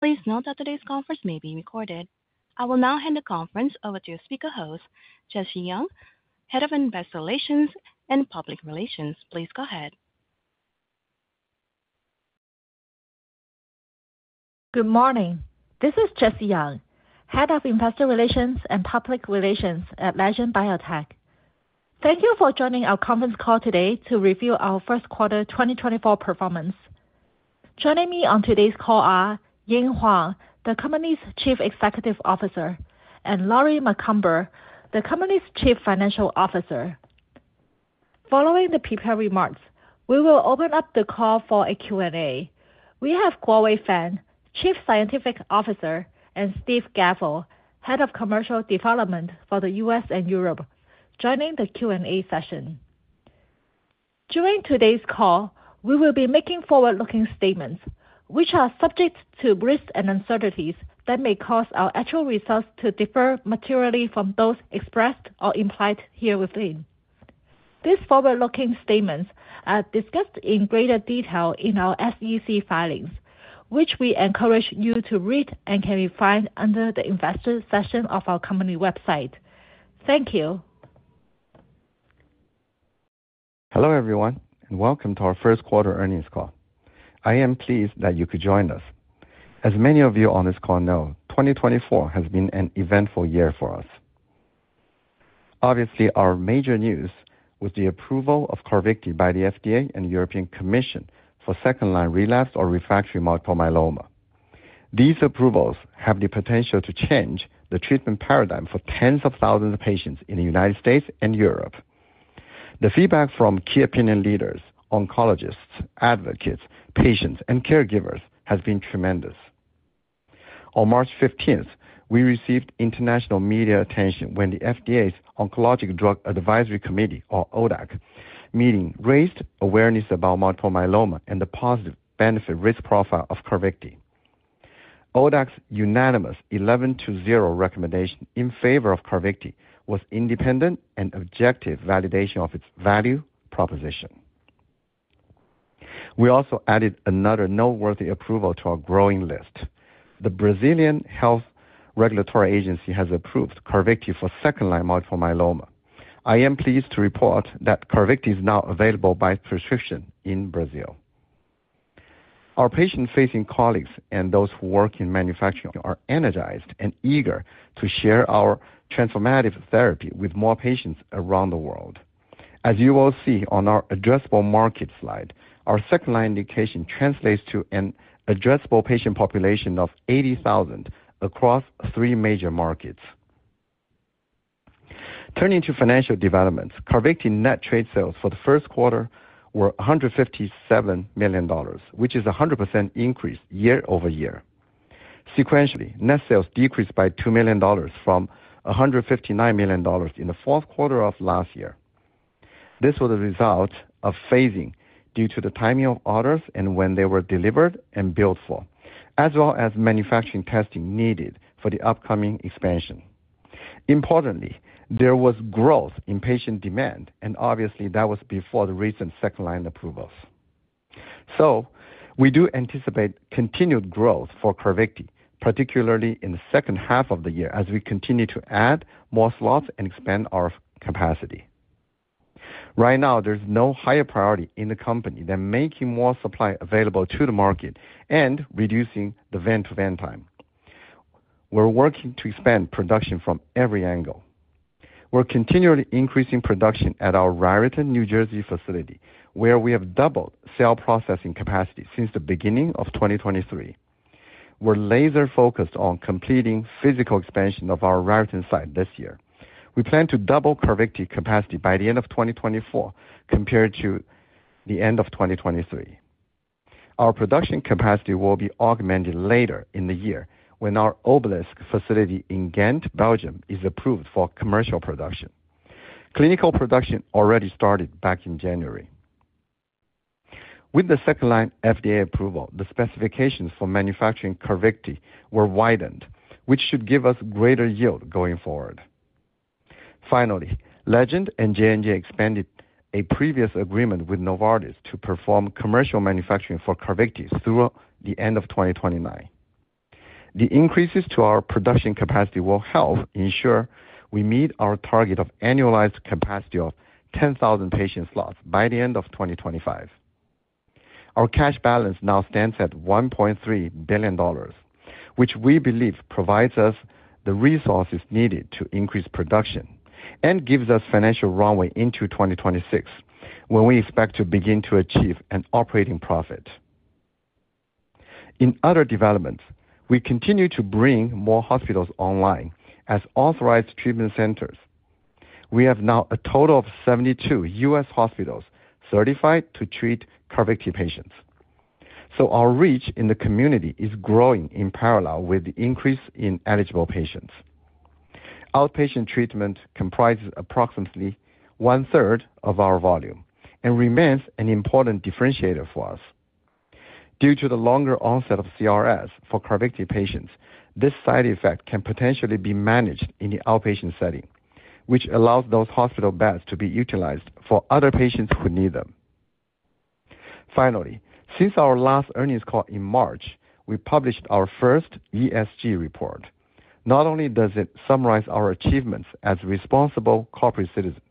Please note that today's conference may be recorded. I will now hand the conference over to speaker host, Jessie Yeung, Head of Investor Relations and Public Relations. Please go ahead. Good morning. This is Jessie Yeung, Head of Investor Relations and Public Relations at Legend Biotech. Thank you for joining our conference call today to review our first quarter 2024 performance. Joining me on today's call are Ying Huang, the company's Chief Executive Officer, and Lori Macomber, the company's Chief Financial Officer. Following the prepared remarks, we will open up the call for a Q&A. We have Guowei Fang, Chief Scientific Officer, and Steve Gavel, Head of Commercial Development for the US and Europe, joining the Q&A session. During today's call, we will be making forward-looking statements, which are subject to risks and uncertainties that may cause our actual results to differ materially from those expressed or implied herein. These forward-looking statements are discussed in greater detail in our SEC filings, which we encourage you to read, and can be found under the investor section of our company website. Thank you. Hello, everyone, and welcome to our first quarter earnings call. I am pleased that you could join us. As many of you on this call know, 2024 has been an eventful year for us. Obviously, our major news was the approval of CARVYKTI by the FDA and European Commission for second-line relapse or refractory multiple myeloma. These approvals have the potential to change the treatment paradigm for tens of thousands of patients in the United States and Europe. The feedback from key opinion leaders, oncologists, advocates, patients, and caregivers has been tremendous. On March 15th, we received international media attention when the FDA's Oncologic Drugs Advisory Committee, or ODAC, meeting raised awareness about multiple myeloma and the positive benefit risk profile of CARVYKTI. ODAC's unanimous 11-0 recommendation in favor of CARVYKTI was independent and objective validation of its value proposition. We also added another noteworthy approval to our growing list. The Brazilian Health Regulatory Agency has approved CARVYKTI for second-line multiple myeloma. I am pleased to report that CARVYKTI is now available by prescription in Brazil. Our patient-facing colleagues and those who work in manufacturing are energized and eager to share our transformative therapy with more patients around the world. As you will see on our addressable market slide, our second-line indication translates to an addressable patient population of 80,000 across three major markets. Turning to financial developments, CARVYKTI net trade sales for the first quarter were $157 million, which is a 100% increase year-over-year. Sequentially, net sales decreased by $2 million from $159 million in the fourth quarter of last year. This was a result of phasing due to the timing of orders and when they were delivered and billed for, as well as manufacturing testing needed for the upcoming expansion. Importantly, there was growth in patient demand, and obviously, that was before the recent second-line approvals. So, we do anticipate continued growth for CARVYKTI, particularly in the second half of the year, as we continue to add more slots and expand our capacity. Right now, there's no higher priority in the company than making more supply available to the market and reducing the vein-to-vein time. We're working to expand production from every angle. We're continually increasing production at our Raritan, New Jersey facility, where we have doubled cell processing capacity since the beginning of 2023. We're laser focused on completing physical expansion of our Raritan site this year. We plan to double CARVYKTI capacity by the end of 2024 compared to the end of 2023. Our production capacity will be augmented later in the year when our Obelisc facility in Ghent, Belgium, is approved for commercial production. Clinical production already started back in January. With the second-line FDA approval, the specifications for manufacturing CARVYKTI were widened, which should give us greater yield going forward. Finally, Legend and J&J expanded a previous agreement with Novartis to perform commercial manufacturing for CARVYKTI through the end of 2029. The increases to our production capacity will help ensure we meet our target of annualized capacity of 10,000 patient slots by the end of 2025. Our cash balance now stands at $1.3 billion, which we believe provides us the resources needed to increase production and gives us financial runway into 2026, when we expect to begin to achieve an operating profit. In other developments, we continue to bring more hospitals online as authorized treatment centers. We have now a total of 72 U.S. hospitals certified to treat CARVYKTI patients, so our reach in the community is growing in parallel with the increase in eligible patients. Outpatient treatment comprises approximately 1/3 of our volume and remains an important differentiator for us. Due to the longer onset of CRS for CARVYKTI patients, this side effect can potentially be managed in the outpatient setting, which allows those hospital beds to be utilized for other patients who need them. Finally, since our last earnings call in March, we published our first ESG report. Not only does it summarize our achievements as a responsible corporate citizen,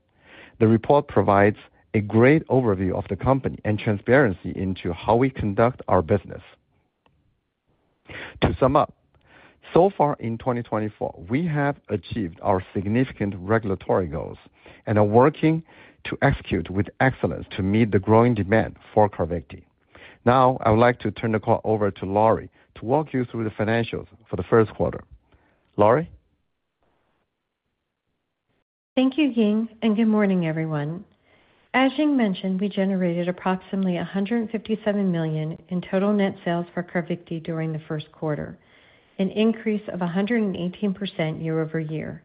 the report provides a great overview of the company and transparency into how we conduct our business. To sum up, so far in 2024, we have achieved our significant regulatory goals and are working to execute with excellence to meet the growing demand for CARVYKTI. Now, I would like to turn the call over to Lori to walk you through the financials for the first quarter. Lori? Thank you, Ying, and good morning, everyone. As Ying mentioned, we generated approximately $157 million in total net sales for CARVYKTI during the first quarter, an increase of 118% year-over-year.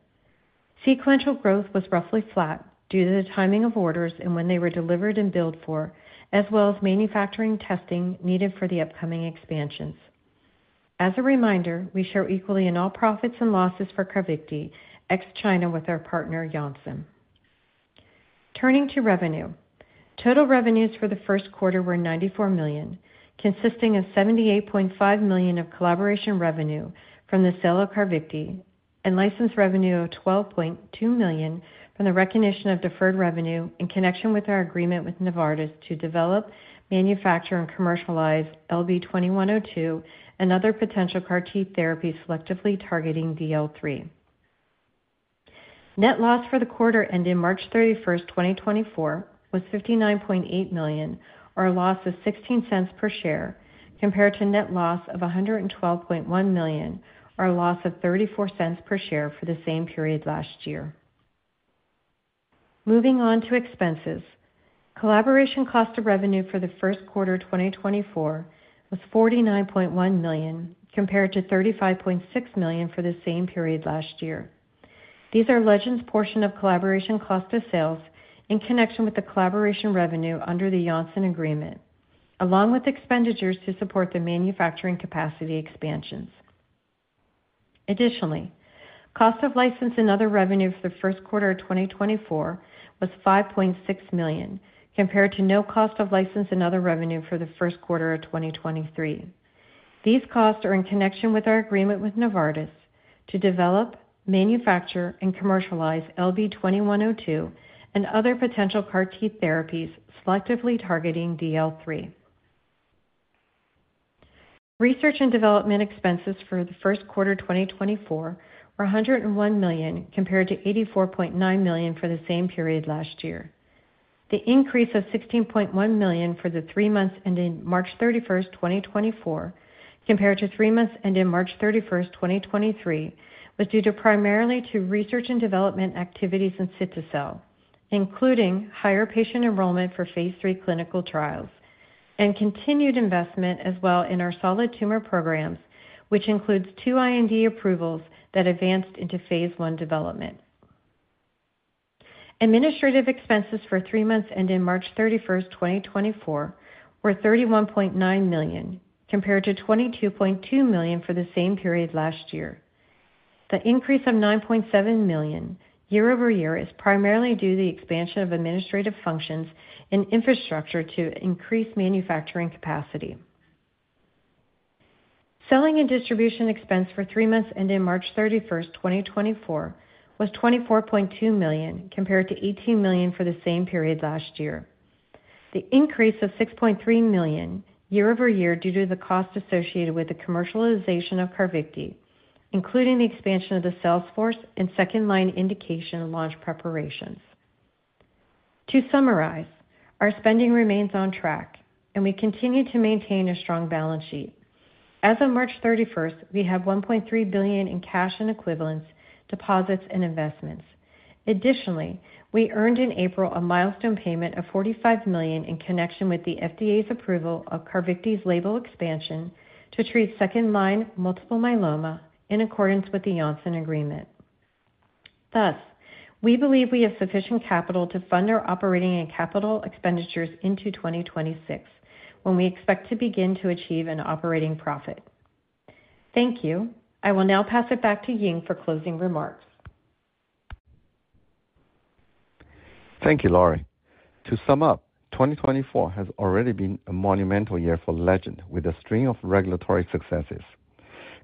Sequential growth was roughly flat due to the timing of orders and when they were delivered and billed for, as well as manufacturing testing needed for the upcoming expansions. As a reminder, we share equally in all profits and losses for CARVYKTI, ex China, with our partner, Janssen. Turning to revenue. Total revenues for the first quarter were $94 million, consisting of $78.5 million of collaboration revenue from the sale of CARVYKTI and license revenue of $12.2 million from the recognition of deferred revenue in connection with our agreement with Novartis to develop, manufacture, and commercialize LB2102 and other potential CAR-T therapies selectively targeting DLL3. Net loss for the quarter, ending March 31, 2024, was $59.8 million, or a loss of $0.16 per share, compared to net loss of $112.1 million, or a loss of $0.34 per share for the same period last year. Moving on to expenses. Collaboration cost of revenue for the first quarter 2024 was $49.1 million, compared to $35.6 million for the same period last year. These are Legend's portion of collaboration cost of sales in connection with the collaboration revenue under the Janssen agreement, along with expenditures to support the manufacturing capacity expansions. Additionally, cost of license and other revenue for the first quarter of 2024 was $5.6 million, compared to no cost of license and other revenue for the first quarter of 2023. These costs are in connection with our agreement with Novartis to develop, manufacture, and commercialize LB2102 and other potential CAR-T therapies selectively targeting DLL3. Research and development expenses for the first quarter 2024 were $101 million, compared to $84.9 million for the same period last year. The increase of $16.1 million for the three months ending March 31, 2024, compared to three months ending March 31, 2023, was due to primarily to research and development activities in cilta-cel, including higher patient enrollment for phase III clinical trials and continued investment as well in our solid tumor programs, which includes two IND approvals that advanced into phase I development. Administrative expenses for three months ending March 31, 2024, were $31.9 million, compared to $22.2 million for the same period last year. The increase of $9.7 million year-over-year is primarily due to the expansion of administrative functions and infrastructure to increase manufacturing capacity. Selling and distribution expense for three months ending March 31, 2024, was $24.2 million, compared to $18 million for the same period last year. The increase of $6.3 million year-over-year due to the cost associated with the commercialization of CARVYKTI, including the expansion of the salesforce and second line indication launch preparations. To summarize, our spending remains on track, and we continue to maintain a strong balance sheet. As of March 31, we have $1.3 billion in cash and equivalents, deposits, and investments. Additionally, we earned in April a milestone payment of $45 million in connection with the FDA's approval of CARVYKTI's label expansion to treat second-line multiple myeloma in accordance with the Janssen agreement. Thus, we believe we have sufficient capital to fund our operating and capital expenditures into 2026, when we expect to begin to achieve an operating profit. Thank you. I will now pass it back to Ying for closing remarks. Thank you, Lori. To sum up, 2024 has already been a monumental year for Legend, with a string of regulatory successes.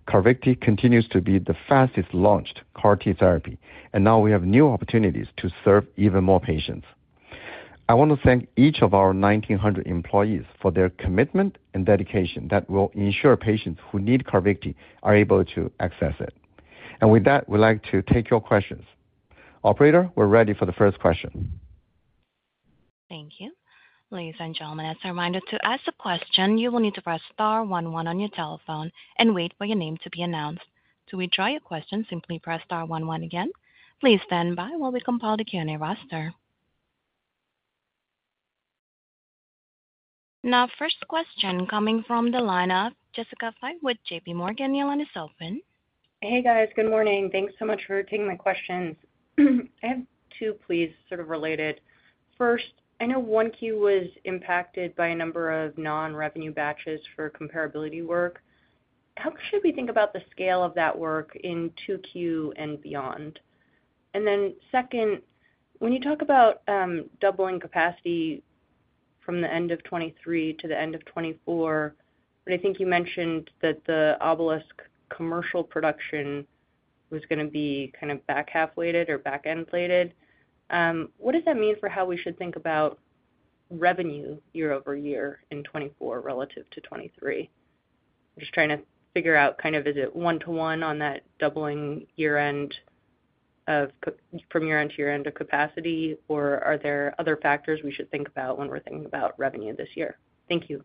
CARVYKTI continues to be the fastest-launched CAR-T therapy, and now we have new opportunities to serve even more patients. I want to thank each of our 1,900 employees for their commitment and dedication that will ensure patients who need CARVYKTI are able to access it. And with that, we'd like to take your questions. Operator, we're ready for the first question. Thank you. Ladies and gentlemen, as a reminder, to ask a question, you will need to press star one one on your telephone and wait for your name to be announced. To withdraw your question, simply press star one one again. Please stand by while we compile the Q&A roster. Now, first question coming from the line of Jessica Fye with JPMorgan. Your line is open. Hey, guys. Good morning. Thanks so much for taking my questions. I have two, please, sort of related. First, I know 1Q was impacted by a number of non-revenue batches for comparability work... how should we think about the scale of that work in 2Q and beyond? And then second, when you talk about doubling capacity from the end of 2023 to the end of 2024, but I think you mentioned that the Obelisc commercial production was gonna be kind of back-half weighted or back-end loaded. What does that mean for how we should think about revenue year-over-year in 2024 relative to 2023? I'm just trying to figure out kind of is it 1-to-1 on that doubling year-end of 2024 from year-end to year-end of capacity, or are there other factors we should think about when we're thinking about revenue this year? Thank you.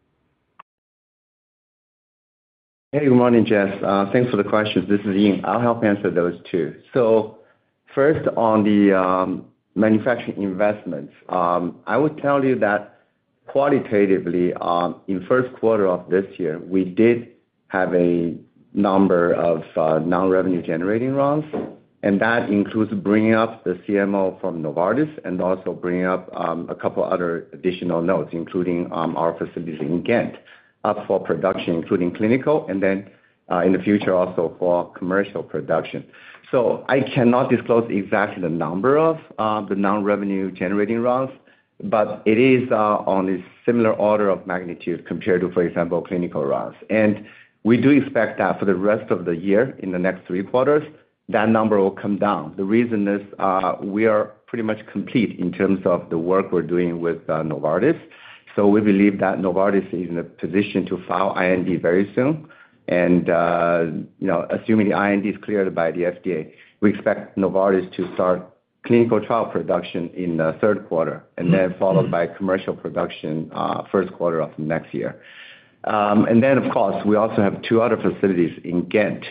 Hey, good morning, Jess. Thanks for the questions. This is Ying. I'll help answer those two. So first on the manufacturing investments, I would tell you that qualitatively, in first quarter of this year, we did have a number of non-revenue generating runs, and that includes bringing up the CMO from Novartis and also bringing up a couple other additional nodes, including our facilities in Ghent up for production, including clinical, and then in the future, also for commercial production. So I cannot disclose exactly the number of the non-revenue generating runs, but it is on a similar order of magnitude compared to, for example, clinical runs. And, we do expect that for the rest of the year, in the next three quarters, that number will come down. The reason is, we are pretty much complete in terms of the work we're doing with, Novartis. So we believe that Novartis is in a position to file IND very soon. And, you know, assuming the IND is cleared by the FDA, we expect Novartis to start clinical trial production in the third quarter, and then followed by commercial production, first quarter of next year. And then of course, we also have two other facilities in Ghent.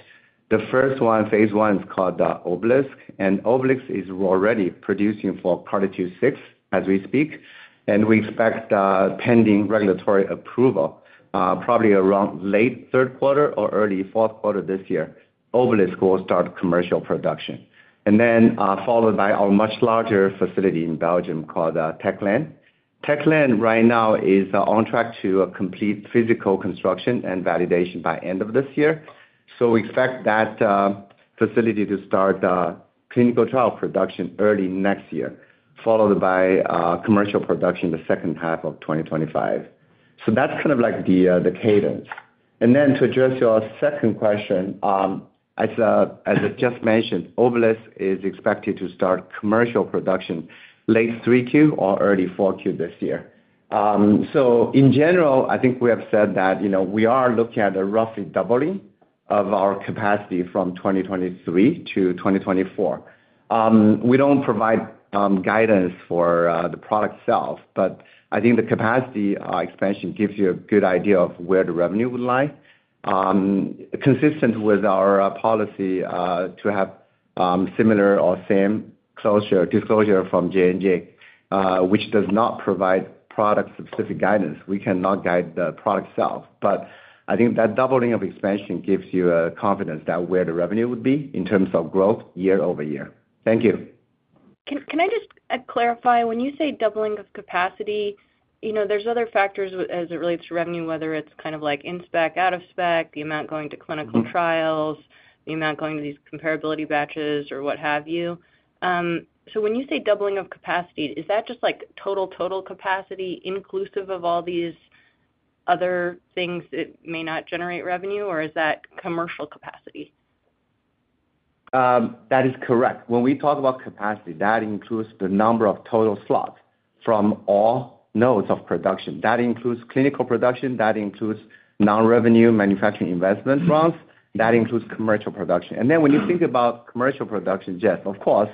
The first one, phase I, is called, Obelisc, and Obelisc is already producing for CARTITUDE-6 as we speak, and we expect, pending regulatory approval, probably around late third quarter or early fourth quarter this year. Obelisc will start commercial production. And then, followed by our much larger facility in Belgium called, Tech Lane. Tech Lane right now is on track to complete physical construction and validation by end of this year. So we expect that facility to start clinical trial production early next year, followed by commercial production in the second half of 2025. So that's kind of like the cadence. And then to address your second question, as I just mentioned, Obelisc is expected to start commercial production late 3Q or early 4Q this year. So in general, I think we have said that, you know, we are looking at a roughly doubling of our capacity from 2023 to 2024. We don't provide guidance for the product itself, but I think the capacity expansion gives you a good idea of where the revenue would lie. Consistent with our policy to have similar or same closure, disclosure from J&J, which does not provide product-specific guidance. We cannot guide the product itself. But I think that doubling of expansion gives you a confidence that where the revenue would be in terms of growth year-over-year. Thank you. Can I just clarify? When you say doubling of capacity, you know, there's other factors as it relates to revenue, whether it's kind of like in spec, out of spec, the amount going to clinical trials- The amount going to these comparability batches or what have you. So when you say doubling of capacity, is that just like total, total capacity, inclusive of all these other things that may not generate revenue or is that commercial capacity? That is correct. When we talk about capacity, that includes the number of total slots from all nodes of production. That includes clinical production, that includes non-revenue manufacturing investment runs, that includes commercial production. And then when you think about commercial production, Jess, of course,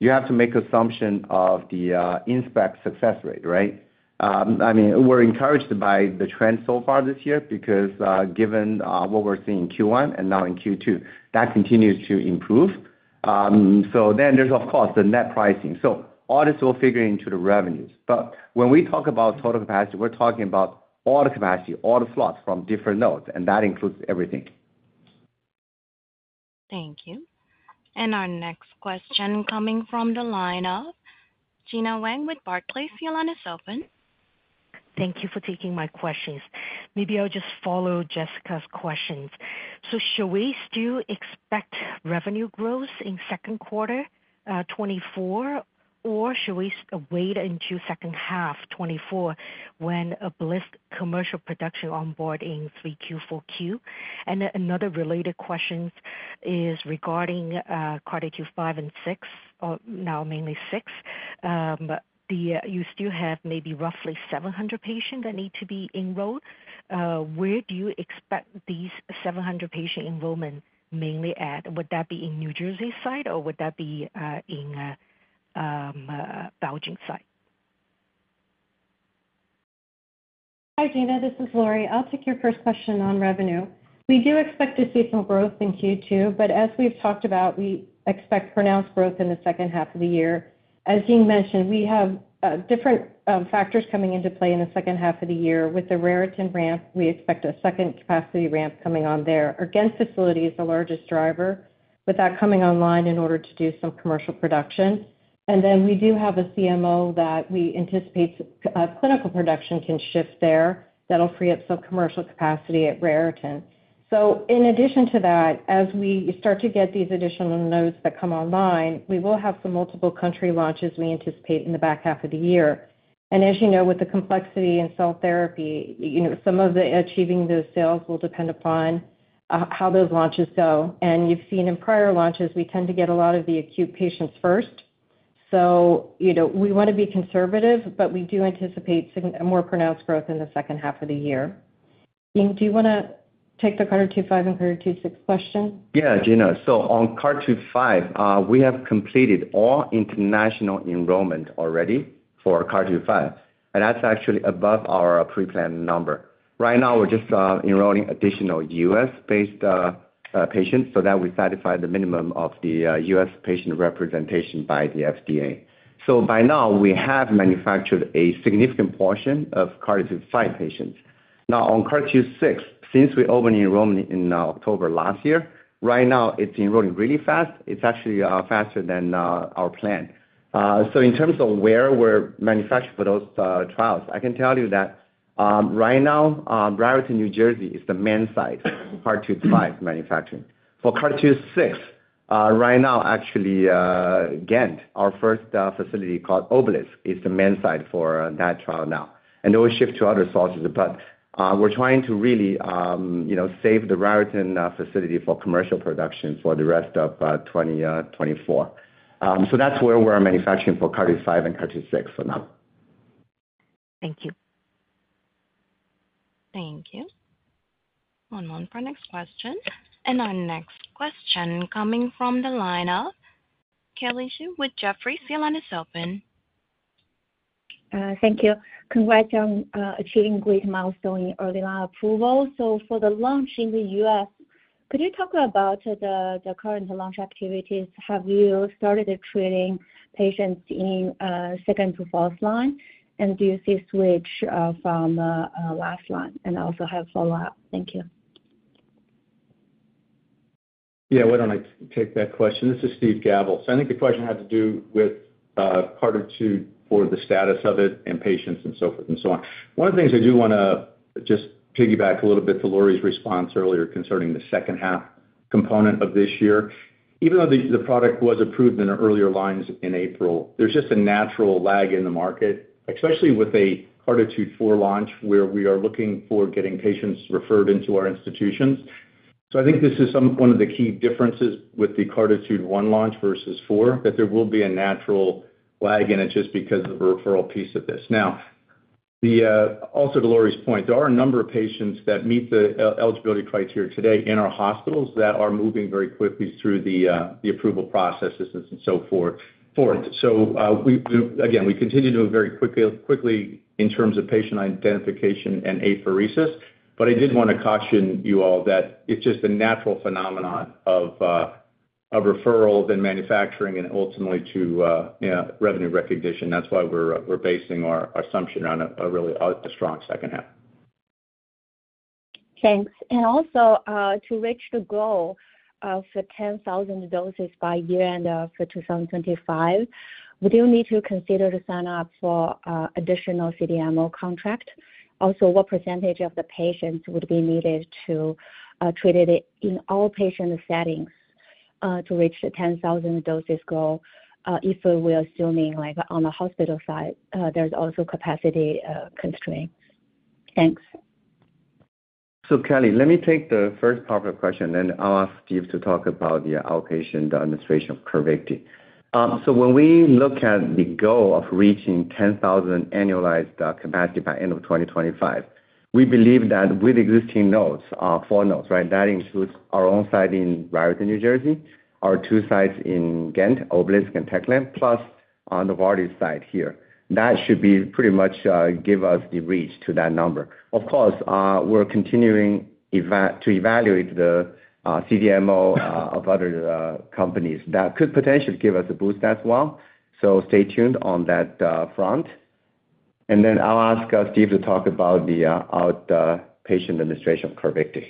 you have to make assumption of the in spec success rate, right? I mean, we're encouraged by the trend so far this year because what we're seeing in first quarter and now in second quarter, that continues to improve. So then there's, of course, the net pricing. So all this will figure into the revenues. But when we talk about total capacity, we're talking about all the capacity, all the slots from different nodes, and that includes everything. Thank you. Our next question coming from the line of Gena Wang with Barclays. Your line is open. Thank you for taking my questions. Maybe I'll just follow Jessica's questions. So should we still expect revenue growth in second quarter 2024, or should we wait until second half 2024 when Obelisc commercial production on board in 3Q, 4Q? And then another related question is regarding quarter Q5 and 6, or now mainly 6. But you still have maybe roughly 700 patients that need to be enrolled. Where do you expect these 700 patient enrollment mainly at? Would that be in New Jersey site, or would that be in Belgium site? Hi, Gena, this is Lori. I'll take your first question on revenue. We do expect to see some growth in Q2, but as we've talked about, we expect pronounced growth in the second half of the year. As Ying mentioned, we have different factors coming into play in the second half of the year. With the Raritan ramp, we expect a second capacity ramp coming on there. Our Ghent facility is the largest driver, with that coming online in order to do some commercial production. And then we do have a CMO that we anticipate clinical production can shift there. That'll free up some commercial capacity at Raritan. So in addition to that, as we start to get these additional nodes that come online, we will have some multiple country launches we anticipate in the back half of the year. As you know, with the complexity in cell therapy, you know, some of the achieving those sales will depend upon how those launches go. You've seen in prior launches, we tend to get a lot of the acute patients first. So, you know, we want to be conservative, but we do anticipate a more pronounced growth in the second half of the year. Ying, do you wanna take the CART-5 and CART-6 question? Yeah, Gena. So on CARTITUDE-5, we have completed all international enrollment already for CARTITUDE-5, and that's actually above our pre-planned number. Right now, we're just enrolling additional U.S.-based patients so that we satisfy the minimum of the U.S. patient representation by the FDA. So by now, we have manufactured a significant portion of CARTITUDE-5 patients. Now, on CARTITUDE-6, since we opened enrollment in October last year, right now it's enrolling really fast. It's actually faster than our plan. So in terms of where we're manufacturing for those trials, I can tell you that, right now, Raritan, New Jersey, is the main site for CARTITUDE-5 manufacturing. For CARTITUDE-6, right now, actually, Ghent, our first facility called Obelisc, is the main site for that trial now. And it will shift to other sources, but, we're trying to really, you know, save the Raritan facility for commercial production for the rest of 2024. So that's where we're manufacturing for CARTITUDE-5 and CARTITUDE-6 for now. Thank you. Thank you. One moment for next question. Our next question coming from the line of Kelly Shi with Jefferies. Your line is open. Thank you. Congrats on achieving great milestone in early approval. So for the launch in the U.S., could you talk about the current launch activities? Have you started treating patients in second to first line? And do you see a switch from last line? And I also have a follow-up. Thank you. Yeah, why don't I take that question? This is Steve Gavel. So I think the question had to do with CARTITUDE, for the status of it and patients and so forth and so on. One of the things I do wanna just piggyback a little bit to Lori's response earlier concerning the second half component of this year. Even though the product was approved in our earlier lines in April, there's just a natural lag in the market, especially with a CARTITUDE-4 launch, where we are looking for getting patients referred into our institutions. So I think this is one of the key differences with the CARTITUDE-1 launch versus four, that there will be a natural lag in it just because of the referral piece of this. Now, also to Lori's point, there are a number of patients that meet the eligibility criteria today in our hospitals that are moving very quickly through the approval processes and so forth. So, we, again, we continue to move very quickly in terms of patient identification and apheresis. But I did wanna caution you all that it's just a natural phenomenon of referrals and manufacturing and ultimately to, you know, revenue recognition. That's why we're basing our assumption on a really strong second half. Thanks. And also, to reach the goal of the 10,000 doses by year-end for 2025, would you need to consider to sign up for additional CDMO contract? Also, what percentage of the patients would be needed to treat it in all patient settings to reach the 10,000 doses goal, if we are assuming, like, on the hospital side, there's also capacity constraints? Thanks. So Kelly, let me take the first part of the question, then I'll ask Steve to talk about the outpatient administration of CARVYKTI. So when we look at the goal of reaching 10,000 annualized capacity by end of 2025, we believe that with existing nodes, four nodes, right? That includes our own site in Raritan, New Jersey, our two sites in Ghent, Obelisc and Tech Lane, plus on Novartis site here. That should be pretty much give us the reach to that number. Of course, we're continuing to evaluate the CDMO of other companies. That could potentially give us a boost as well, so stay tuned on that front. And then I'll ask Steve to talk about the outpatient administration of CARVYKTI.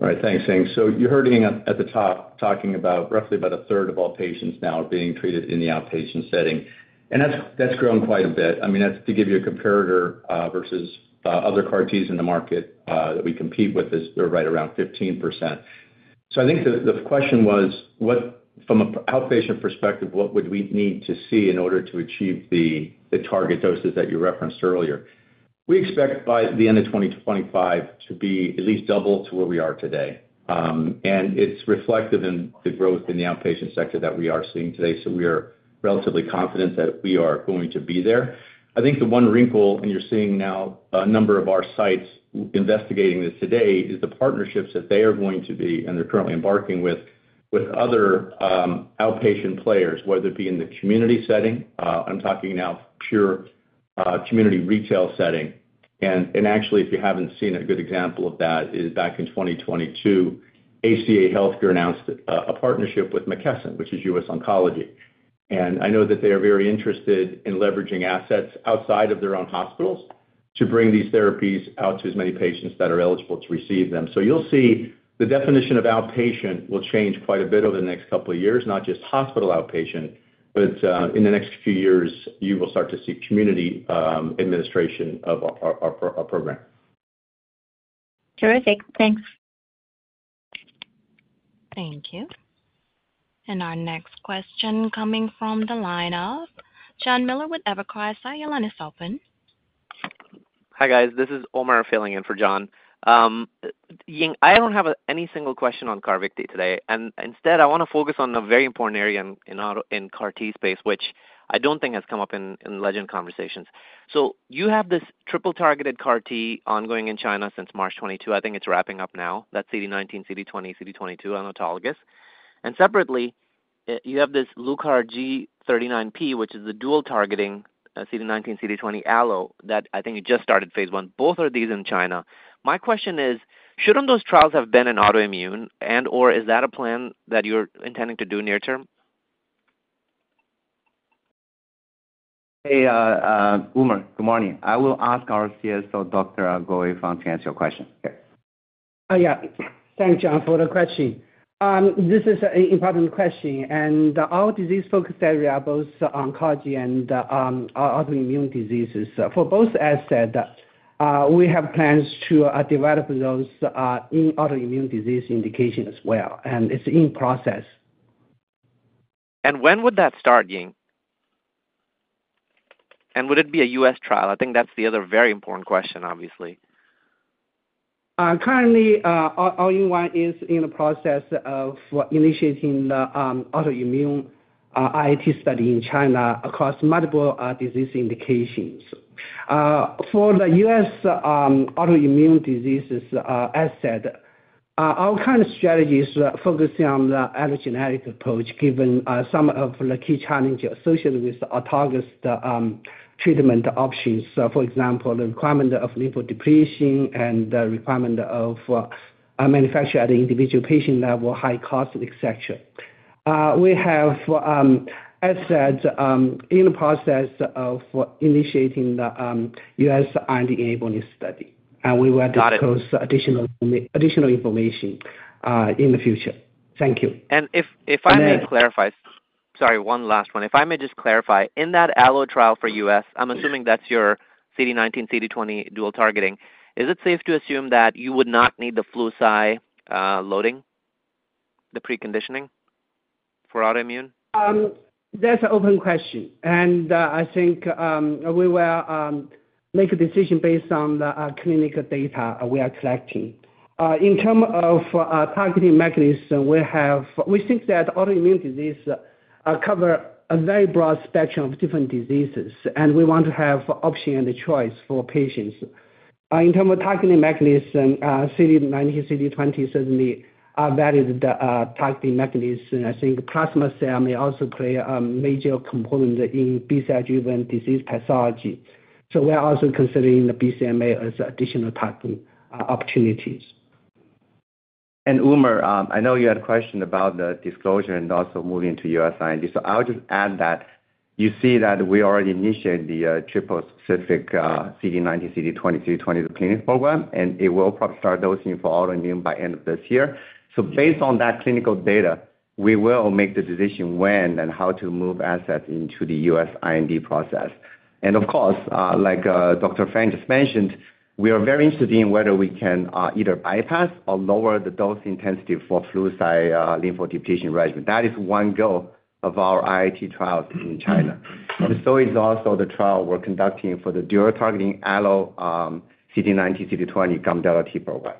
All right. Thanks, Ying. So you heard Ying at the top, talking about roughly about a third of all patients now are being treated in the outpatient setting, and that's grown quite a bit. I mean, that's to give you a comparator versus other CARTs in the market that we compete with is, they're right around 15%. So I think the question was, what - from a outpatient perspective, what would we need to see in order to achieve the target doses that you referenced earlier? We expect by the end of 2025 to be at least double to where we are today. And, it's reflective in the growth in the outpatient sector that we are seeing today, so we are relatively confident that we are going to be there. I think the one wrinkle, and you're seeing now a number of our sites investigating this today, is the partnerships that they are going to be, and they're currently embarking with, with other, outpatient players, whether it be in the community setting, I'm talking now pure, community retail setting. And, actually, if you haven't seen a good example of that, is back in 2022, HCA Healthcare announced, a partnership with McKesson, which is US Oncology. And I know that they are very interested in leveraging assets outside of their own hospitals.... to bring these therapies out to as many patients that are eligible to receive them. So you'll see the definition of outpatient will change quite a bit over the next couple of years, not just hospital outpatient, but in the next few years, you will start to see community administration of our program. Terrific. Thanks. Thank you. Our next question coming from the line of Jon Miller with Evercore ISI, your line is open. Hi, guys. This is Omar filling in for Jon. Ying, I don't have any single question on CARVYKTI today, and instead, I want to focus on a very important area in autoimmune CAR-T space, which I don't think has come up in Legend conversations. So you have this triple-targeted CAR-T ongoing in China since March 2022. I think it's wrapping up now, that CD19, CD20, CD22 on autologous. And separately, you have this LuCAR-G39P, which is the dual targeting, CD19, CD20 allo, that I think you just started phase I. Both are these in China. My question is, shouldn't those trials have been in autoimmune, and/or is that a plan that you're intending to do near-term? Hey, Omar, good morning. I will ask our CSO, Dr. Guowei, to answer your question. Okay. Oh, yeah. Thanks, Jon, for the question. This is an important question, and our disease focus area, both oncology and our autoimmune diseases. For both asset, we have plans to develop those in autoimmune disease indication as well, and it's in process. When would that start, Ying? And would it be a U.S. trial? I think that's the other very important question, obviously. Currently, [inaudible] is in the process of initiating the autoimmune IIT study in China across multiple disease indications. For the US autoimmune diseases asset, our current strategy is focusing on the allogeneic approach, given some of the key challenges associated with autologous treatment options. So for example, the requirement of lymphodepletion and the requirement of manufacture at the individual patient level, high cost, etc. We have assets in the process of initiating the US IND-enabling study, and we will- Got it. Disclose additional information in the future. Thank you. If I may clarify- Sorry, one last one. If I may just clarify, in that Allo trial for U.S., I'm assuming that's your CD19, CD20 dual targeting. Is it safe to assume that you would not need the Flu/Cy loading, the preconditioning for autoimmune? That's an open question, and I think we will make a decision based on the clinical data we are collecting. In terms of targeting mechanism, we have—we think that autoimmune disease cover a very broad spectrum of different diseases, and we want to have option and the choice for patients. In terms of targeting mechanism, CD19, CD20 certainly are valid targeting mechanism. I think plasma cell may also play a major component in B-cell driven disease pathology. So we're also considering the BCMA as additional targeting opportunities. And Omar, I know you had a question about the disclosure and also moving to US IND. So I'll just add that you see that we already initiated the, triple-specific, CD19, CD20, CD20 clinical program, and it will start dosing for autoimmune by end of this year. So based on that clinical data, we will make the decision when and how to move assets into the US IND process. And of course, like, Dr. Fang just mentioned, we are very interested in whether we can either bypass or lower the dose intensity for Flu/Cy, lymphodepletion regimen. That is one goal of our IIT trials in China. So is also the trial we're conducting for the dual targeting Allo, CD19, CD20 gamma delta T-cell program.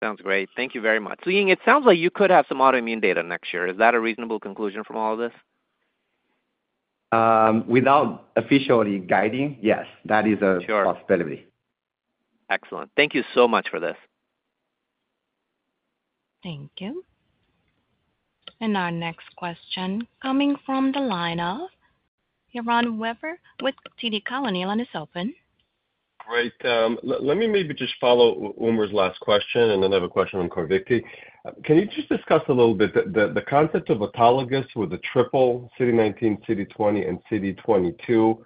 Sounds great. Thank you very much. So Ying, it sounds like you could have some autoimmune data next year. Is that a reasonable conclusion from all of this? Without officially guiding, yes, that is a- Sure. Possibility. Excellent. Thank you so much for this. Thank you. Our next question coming from the line of Yaron Werber with TD Cowen. Your line is open. Great. Let me maybe just follow Omar's last question, and then I have a question on CARVYKTI. Can you just discuss a little bit the concept of autologous with the triple CD19, CD20, and CD22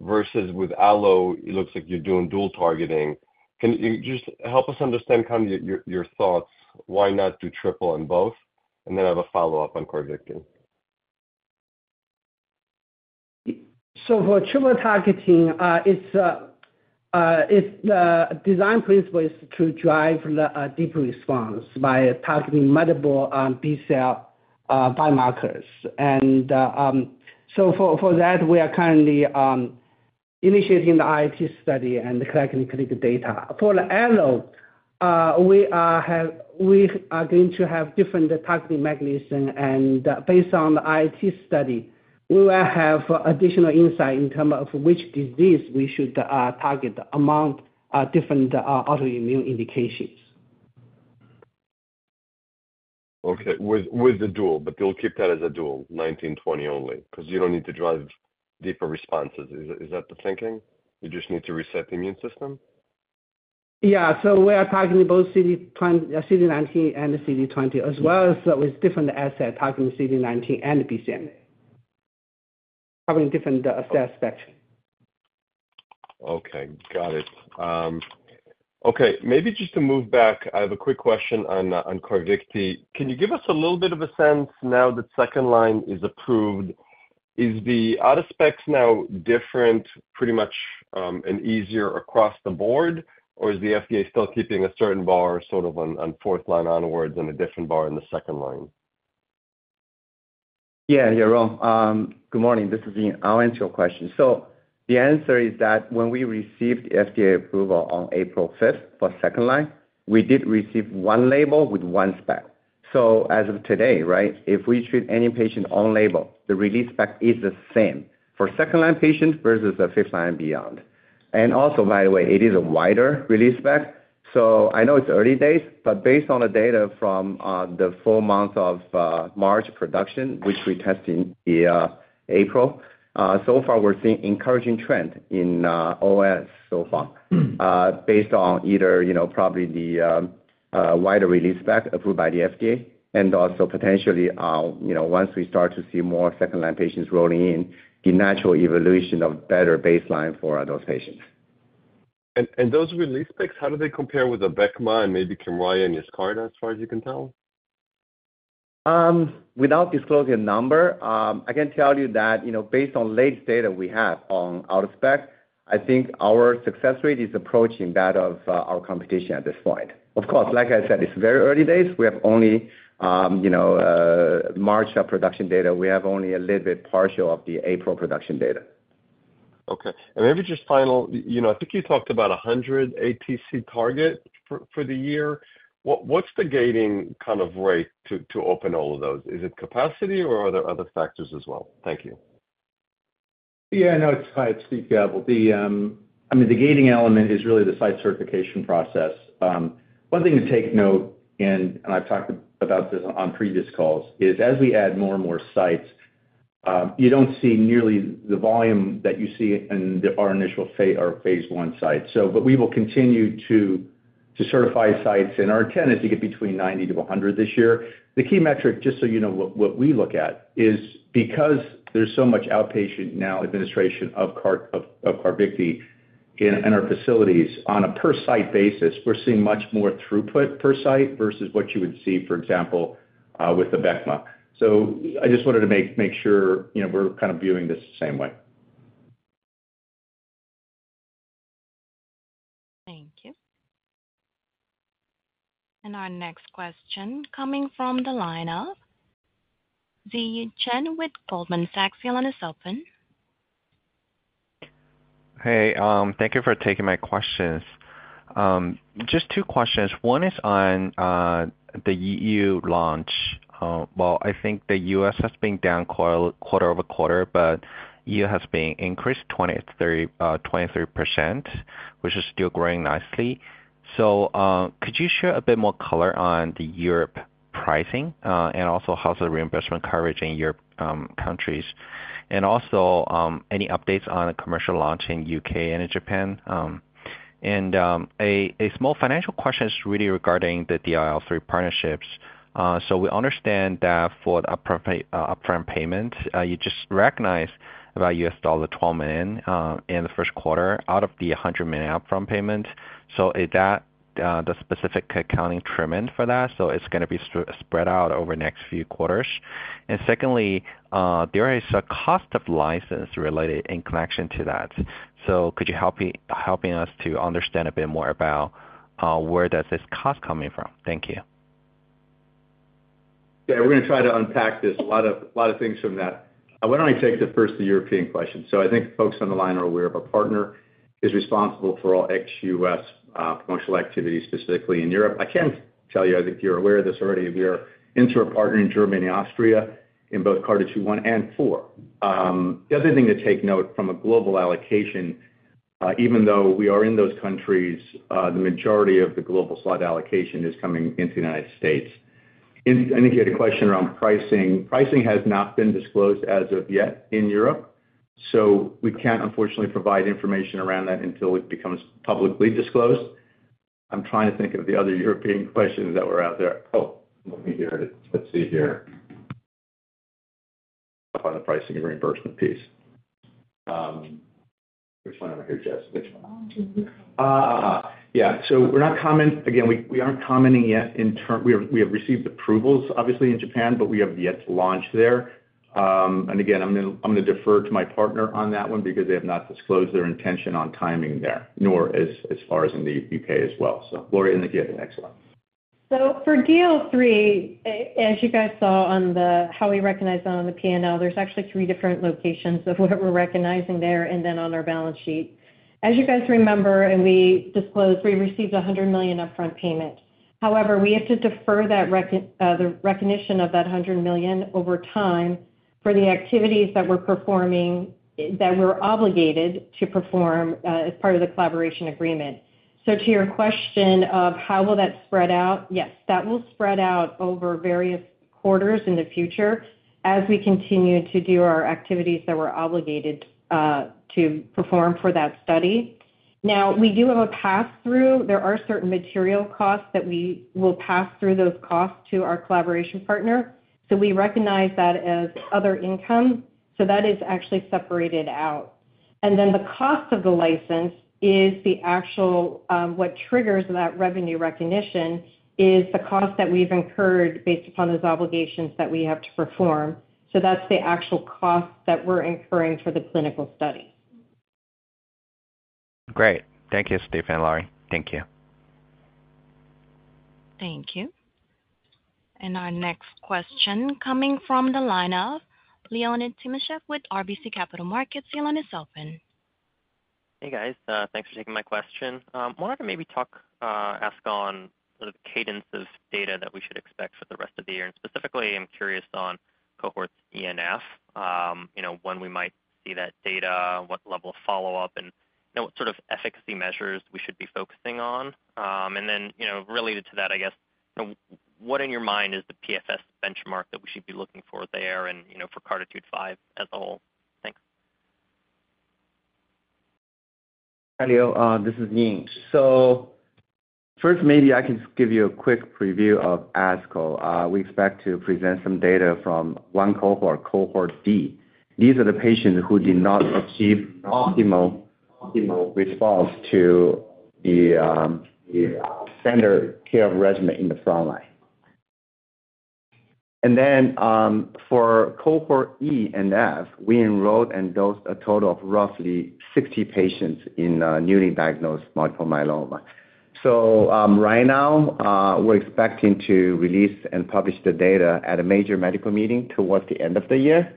versus with Allo, it looks like you're doing dual targeting. Can you just help us understand kind of your thoughts, why not do triple in both? And then I have a follow-up on CARVYKTI. So for triple targeting, it's the design principle is to drive the deeper response by targeting multiple B-cell biomarkers. For that, we are currently initiating the IIT study and collecting clinical data. For the Allo, we are going to have different targeting mechanism, and based on the IIT study, we will have additional insight in terms of which disease we should target among different autoimmune indications. Okay, with the dual, but you'll keep that as a dual 19, 20 only, because you don't need to drive deeper responses. Is that the thinking? You just need to reset the immune system?... Yeah, so we are targeting both CD19 and the CD20, as well as with different asset targeting CD19 and BCMA, having different asset spectrum. Okay, got it. Okay, maybe just to move back, I have a quick question on CARVYKTI. Can you give us a little bit of a sense now that second line is approved, is the out-of-specs now different pretty much and easier across the board? Or is the FDA still keeping a certain bar sort of on fourth line onwards and a different bar in the second line? Yeah, yeah, Ron. Good morning. This is Ying. I'll answer your question. So the answer is that when we received the FDA approval on April 5th for second line, we did receive one label with one spec. So as of today, right, if we treat any patient on label, the release spec is the same for second line patients versus the fifth line beyond. And also, by the way, it is a wider release spec, so I know it's early days, but based on the data from the full month of March production, which we test in the April, so far we're seeing encouraging trend in OS so far. Mm. Based on either, you know, probably the wider release spec approved by the FDA and also potentially, you know, once we start to see more second line patients rolling in, the natural evolution of better baseline for those patients. Those release specs, how do they compare with Abecma and maybe Kimriah and Yescarta, as far as you can tell? Without disclosing a number, I can tell you that, you know, based on late data we have on out-of-spec, I think our success rate is approaching that of our competition at this point. Of course, like I said, it's very early days. We have only, you know, March production data. We have only a little bit partial of the April production data. Okay. And maybe just final, you know, I think you talked about 100 ATC target for the year. What's the gating kind of rate to open all of those? Is it capacity or are there other factors as well? Thank you. Yeah, no, it's hi, it's Steve Gavel. The, I mean, the gating element is really the site certification process. One thing to take note, and I've talked about this on previous calls, is as we add more and more sites, you don't see nearly the volume that you see in our initial site or phase I site. So but we will continue to certify sites, and our intent is to get between 90-100 this year. The key metric, just so you know, what we look at, is because there's so much outpatient now administration of CARVYKTI in our facilities, on a per site basis, we're seeing much more throughput per site versus what you would see, for example, with Abecma. I just wanted to make sure, you know, we're kind of viewing this the same way. Thank you. Our next question coming from the line of Zyi Chen with Goldman Sachs. Your line is open. Hey, thank you for taking my questions. Just two questions. One is on the E.U. launch. While I think the U.S. has been down quarter-over-quarter, but E.U. has been increased 23%, which is still growing nicely. So, could you share a bit more color on the Europe pricing, and also how's the reimbursement coverage in your countries? And also, any updates on a commercial launch in U.K. and in Japan? A small financial question is really regarding the DLL3 partnerships. So we understand that for the upfront payment, you just recognize about $12 million in the first quarter out of the $100 million upfront payment. So is that the specific accounting treatment for that, so it's gonna be spread out over the next few quarters? And secondly, there is a cost of license related in connection to that. So could you help us understand a bit more about where does this cost coming from? Thank you. Yeah, we're gonna try to unpack this. A lot of, lot of things from that. Why don't I take the first, the European question? So I think folks on the line are aware of our partner is responsible for all ex-U.S. promotional activities, specifically in Europe. I can tell you, I think you're aware of this already, we are into our partner in Germany and Austria in both CARTITUDE-1 and 4. The other thing to take note from a global allocation, even though we are in those countries, the majority of the global slot allocation is coming into the United States. I think you had a question around pricing. Pricing has not been disclosed as of yet in Europe, so we can't unfortunately provide information around that until it becomes publicly disclosed. I'm trying to think of the other European questions that were out there. Oh, let me hear. Let's see here. On the pricing and reimbursement piece. Which one over here, Jess? Which one? Yeah, so we're not commenting. Again, we aren't commenting yet. We have received approvals, obviously, in Japan, but we have yet to launch there. And again, I'm gonna defer to my partner on that one because they have not disclosed their intention on timing there, nor, as far as in the U.K. as well. So Lori, I think you have the next one. So for DLL3, as you guys saw on the, how we recognize that on the P&L, there's actually three different locations of what we're recognizing there and then on our balance sheet. As you guys remember, and we disclosed, we received a $100 million upfront payment. However, we have to defer the recognition of that $100 million over time for the activities that we're performing, that we're obligated to perform, as part of the collaboration agreement. So to your question of how will that spread out? Yes, that will spread out over various-... quarters in the future as we continue to do our activities that we're obligated to perform for that study. Now, we do have a pass-through. There are certain material costs that we will pass through those costs to our collaboration partner, so we recognize that as other income, so that is actually separated out. And then the cost of the license is the actual. What triggers that revenue recognition is the cost that we've incurred based upon those obligations that we have to perform. So that's the actual cost that we're incurring for the clinical study. Great. Thank you, Steve and Lori. Thank you. Thank you. And our next question coming from the line of Leonid Timashev with RBC Capital Markets. Your line is open. Hey, guys, thanks for taking my question. Wanted to maybe ask on the cadence of data that we should expect for the rest of the year. And specifically, I'm curious on cohorts E and F. You know, when we might see that data, what level of follow-up, and, you know, what sort of efficacy measures we should be focusing on. And then, you know, related to that, I guess, you know, what in your mind is the PFS benchmark that we should be looking for there and, you know, for CARTITUDE-5 as a whole? Thanks. Hi, Leo, this is Ying. So first, maybe I can give you a quick preview of ASCO. We expect to present some data from one cohort, cohort D. These are the patients who did not achieve optimal, optimal response to the standard care regimen in the front line. And then, for cohort E and F, we enrolled and dosed a total of roughly 60 patients in newly diagnosed multiple myeloma. So, right now, we're expecting to release and publish the data at a major medical meeting towards the end of the year.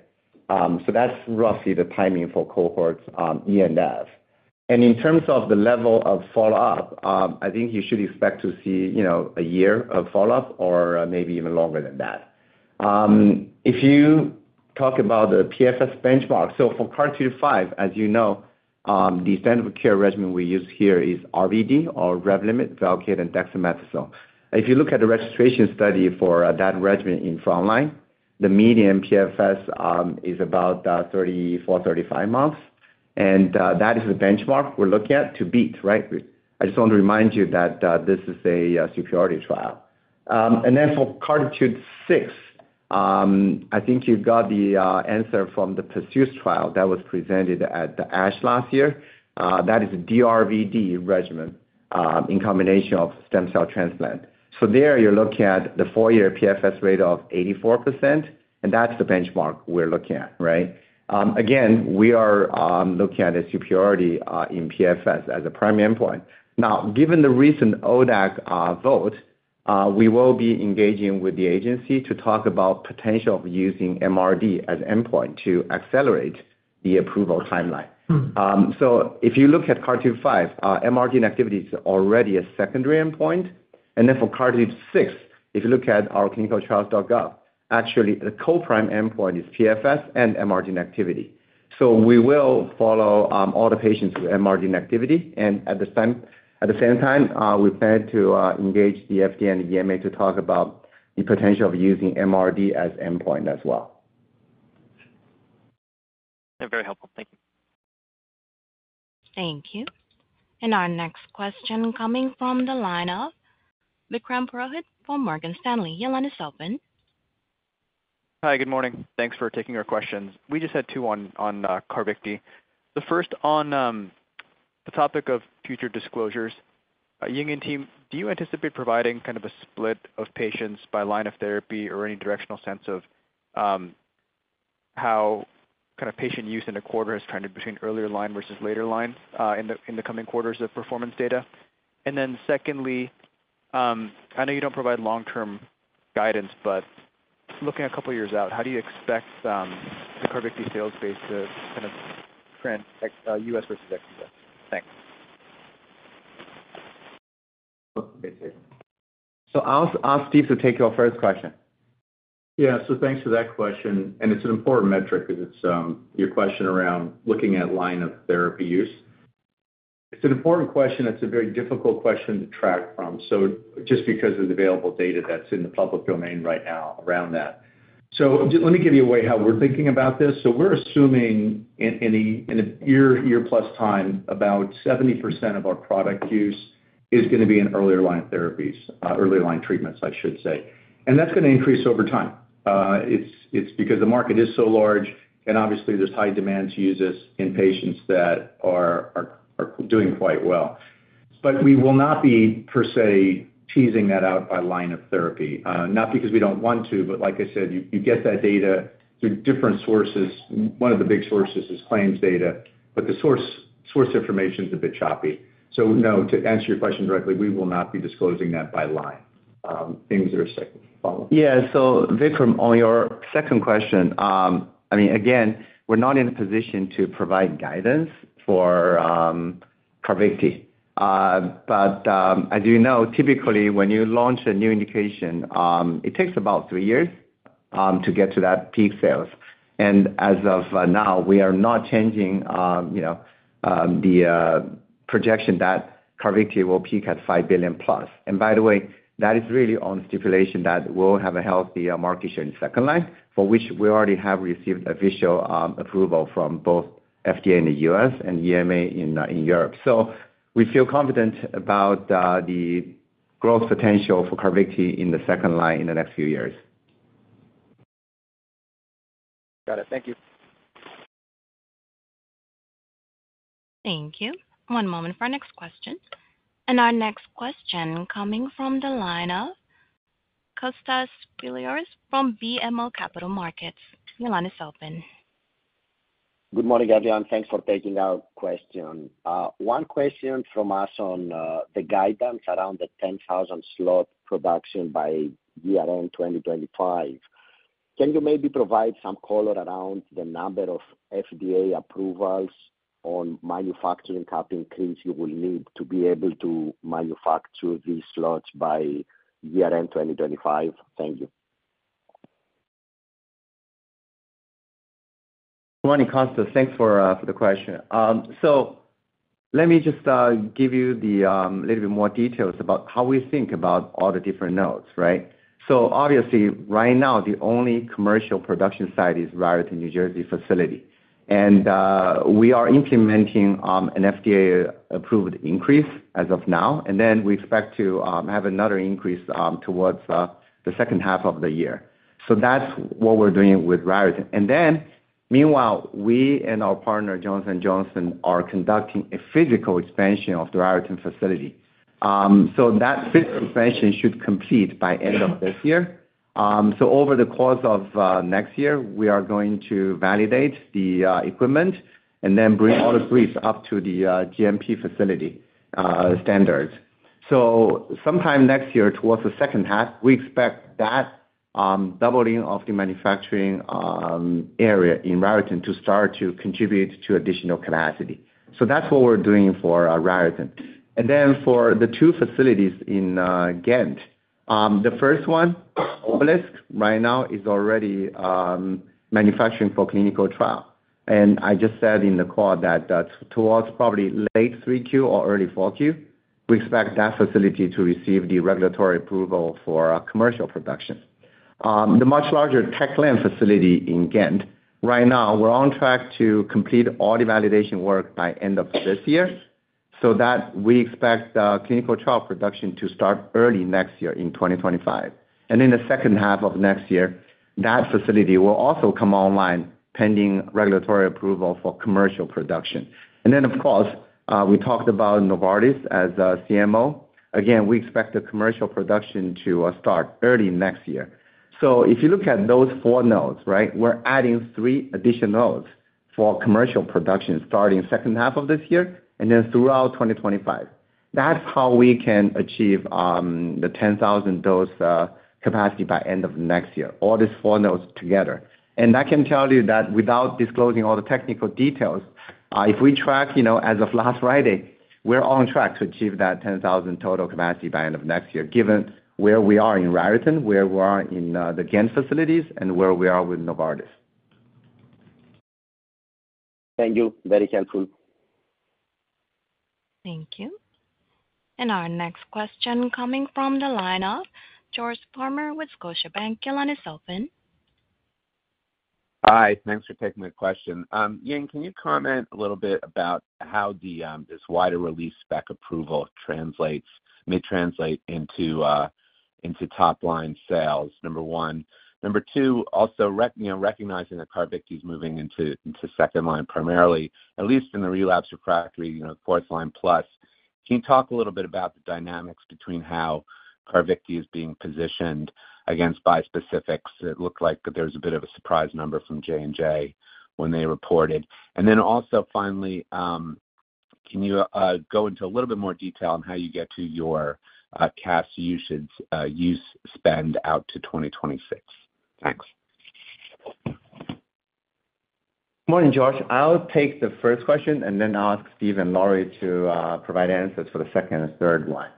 So that's roughly the timing for cohorts E and F. And in terms of the level of follow-up, I think you should expect to see, you know, a year of follow-up or maybe even longer than that. If you talk about the PFS benchmark, so for CARTITUDE-5, as you know, the standard of care regimen we use here is RVd or Revlimid, Velcade, and dexamethasone. If you look at the registration study for that regimen in front line, the median PFS is about 34, 35 months, and that is the benchmark we're looking at to beat, right? I just want to remind you that this is a superiority trial. And then for CARTITUDE-6, I think you got the answer from the PURSUIT trial that was presented at the ASH last year. That is a DRVd regimen in combination of stem cell transplant. So there, you're looking at the four-year PFS rate of 84%, and that's the benchmark we're looking at, right? Again, we are looking at a superiority in PFS as a primary endpoint. Now, given the recent ODAC vote, we will be engaging with the agency to talk about potential of using MRD as endpoint to accelerate the approval timeline. Mm. So if you look at CARTITUDE-5, MRD activity is already a secondary endpoint. And then for CARTITUDE-6, if you look at our clinicaltrials.gov, actually, the co-primary endpoint is PFS and MRD activity. So we will follow all the patients with MRD activity, and at the same time, we plan to engage the FDA and the EMA to talk about the potential of using MRD as endpoint as well. Very helpful. Thank you. Thank you. Our next question coming from the line of Vikram Purohit from Morgan Stanley. Your line is open. Hi, good morning. Thanks for taking our questions. We just had two on CARVYKTI. The first on the topic of future disclosures. Ying and team, do you anticipate providing kind of a split of patients by line of therapy or any directional sense of how kind of patient use in a quarter is trending between earlier line versus later line in the coming quarters of performance data? And then secondly, I know you don't provide long-term guidance, but looking a couple of years out, how do you expect the CARVYKTI sales base to kind of trend U.S. versus ex U.S.? Thanks. I'll ask Steve to take your first question. Yeah, so thanks for that question, and it's an important metric because it's your question around looking at line of therapy use. It's an important question. It's a very difficult question to track from, so just because of the available data that's in the public domain right now around that. So let me give you a way how we're thinking about this. So we're assuming in a year-plus time, about 70% of our product use is gonna be in earlier line therapies, early line treatments, I should say. And that's gonna increase over time. It's because the market is so large, and obviously there's high demand to use this in patients that are doing quite well. But we will not be, per se, teasing that out by line of therapy. Not because we don't want to, but like I said, you get that data through different sources. One of the big sources is claims data, but the source information is a bit choppy. So no, to answer your question directly, we will not be disclosing that by line. Ying, is there a second follow-up? Yeah. So, Vikram, on your second question, I mean, again, we're not in a position to provide guidance for CARVYKTI. But as you know, typically, when you launch a new indication, it takes about three years to get to that peak sales. And as of now, we are not changing, you know, the projection that CARVYKTI will peak at $5 billion+. And by the way, that is really on the stipulation that we'll have a healthy market share in second line, for which we already have received official approval from both FDA in the U.S. and EMA in Europe. So we feel confident about the growth potential for CARVYKTI in the second line in the next few years. Got it. Thank you. Thank you. One moment for our next question. Our next question coming from the line of Kostas Biliouris from BMO Capital Markets. Your line is open. Good morning, everyone. Thanks for taking our question. One question from us on the guidance around the 10,000 slot production by year-end 2025. Can you maybe provide some color around the number of FDA approvals on manufacturing cap increase you will need to be able to manufacture these slots by year-end 2025? Thank you. Morning, Kostas. Thanks for, for the question. So let me just, give you the, little bit more details about how we think about all the different nodes, right? So obviously, right now, the only commercial production site is Raritan, New Jersey, facility. And, we are implementing, an FDA-approved increase as of now, and then we expect to, have another increase, towards, the second half of the year. So that's what we're doing with Raritan. And then, meanwhile, we and our partner, Johnson & Johnson, are conducting a physical expansion of the Raritan facility. So that physical expansion should complete by end of this year. So over the course of, next year, we are going to validate the, equipment and then bring all the briefs up to the, GMP facility, standards. So sometime next year, towards the second half, we expect that doubling of the manufacturing area in Raritan to start to contribute to additional capacity. So that's what we're doing for Raritan. And then for the two facilities in Ghent, the first one, Obelisc, right now is already manufacturing for clinical trial. And I just said in the call that towards probably late 3Q or early 4Q, we expect that facility to receive the regulatory approval for commercial production. The much larger Tech Lane facility in Ghent, right now, we're on track to complete all the validation work by end of this year, so that we expect clinical trial production to start early next year in 2025. And in the second half of next year, that facility will also come online, pending regulatory approval for commercial production. Of course, we talked about Novartis as a CMO. Again, we expect the commercial production to start early next year. So, if you look at those four nodes, right, we're adding three additional nodes for commercial production, starting second half of this year and then throughout 2025. That's how we can achieve the 10,000 dose capacity by end of next year, all these four nodes together. And I can tell you that without disclosing all the technical details, if we track, you know, as of last Friday, we're on track to achieve that 10,000 total capacity by end of next year, given where we are in Raritan, where we are in the Ghent facilities, and where we are with Novartis. Thank you. Very helpful. Thank you. And our next question coming from the line of George Farmer with Scotiabank. Your line is open. Hi, thanks for taking my question. Ying, can you comment a little bit about how this wider release spec approval translates, may translate into top-line sales, number one? Number two, also, you know, recognizing that CARVYKTI is moving into second line, primarily, at least in the relapse refractory, you know, fourth line plus, can you talk a little bit about the dynamics between how CARVYKTI is being positioned against bispecifics? It looked like there was a bit of a surprise number from J&J when they reported. And then also, finally, can you go into a little bit more detail on how you get to your cash usage, use spend out to 2026? Thanks. Morning, George. I'll take the first question, and then I'll ask Steve and Lori to provide answers for the second and third one.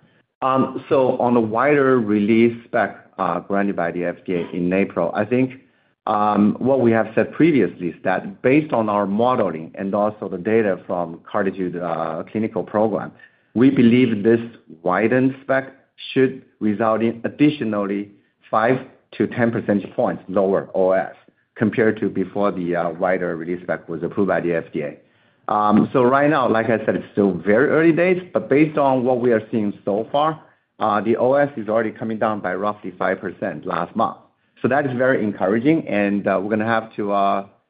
So on the wider release spec granted by the FDA in April, I think, what we have said previously is that based on our modeling and also the data from CARTITUDE clinical program, we believe this widened spec should result in additionally five to 10 percentage points lower OS, compared to before the wider release spec was approved by the FDA. So right now, like I said, it's still very early days, but based on what we are seeing so far, the OS is already coming down by roughly 5% last month. So that is very encouraging, and, we're gonna have to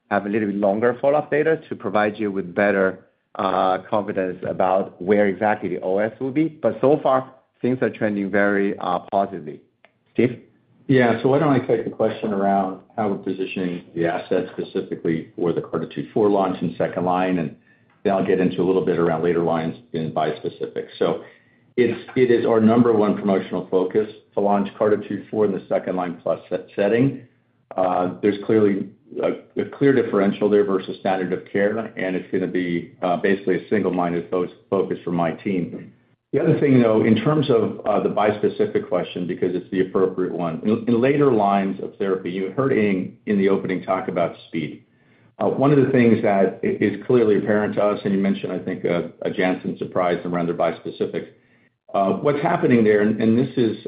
have a little bit longer follow-up data to provide you with better confidence about where exactly the OS will be. But so far, things are trending very positively. Steve? Yeah, so why don't I take the question around how we're positioning the asset specifically for the CARTITUDE-4 launch in second line, and then I'll get into a little bit around later lines in bispecific. So it's, it is our number one promotional focus to launch CARTITUDE-4 in the second line plus setting. There's clearly a clear differential there versus standard of care, and it's gonna be basically a single-minded focus for my team. The other thing, though, in terms of the bispecific question, because it's the appropriate one. In later lines of therapy, you heard Ying in the opening talk about speed. One of the things that is clearly apparent to us, and you mentioned, I think, a Janssen surprise around their bispecific. What's happening there, and this is,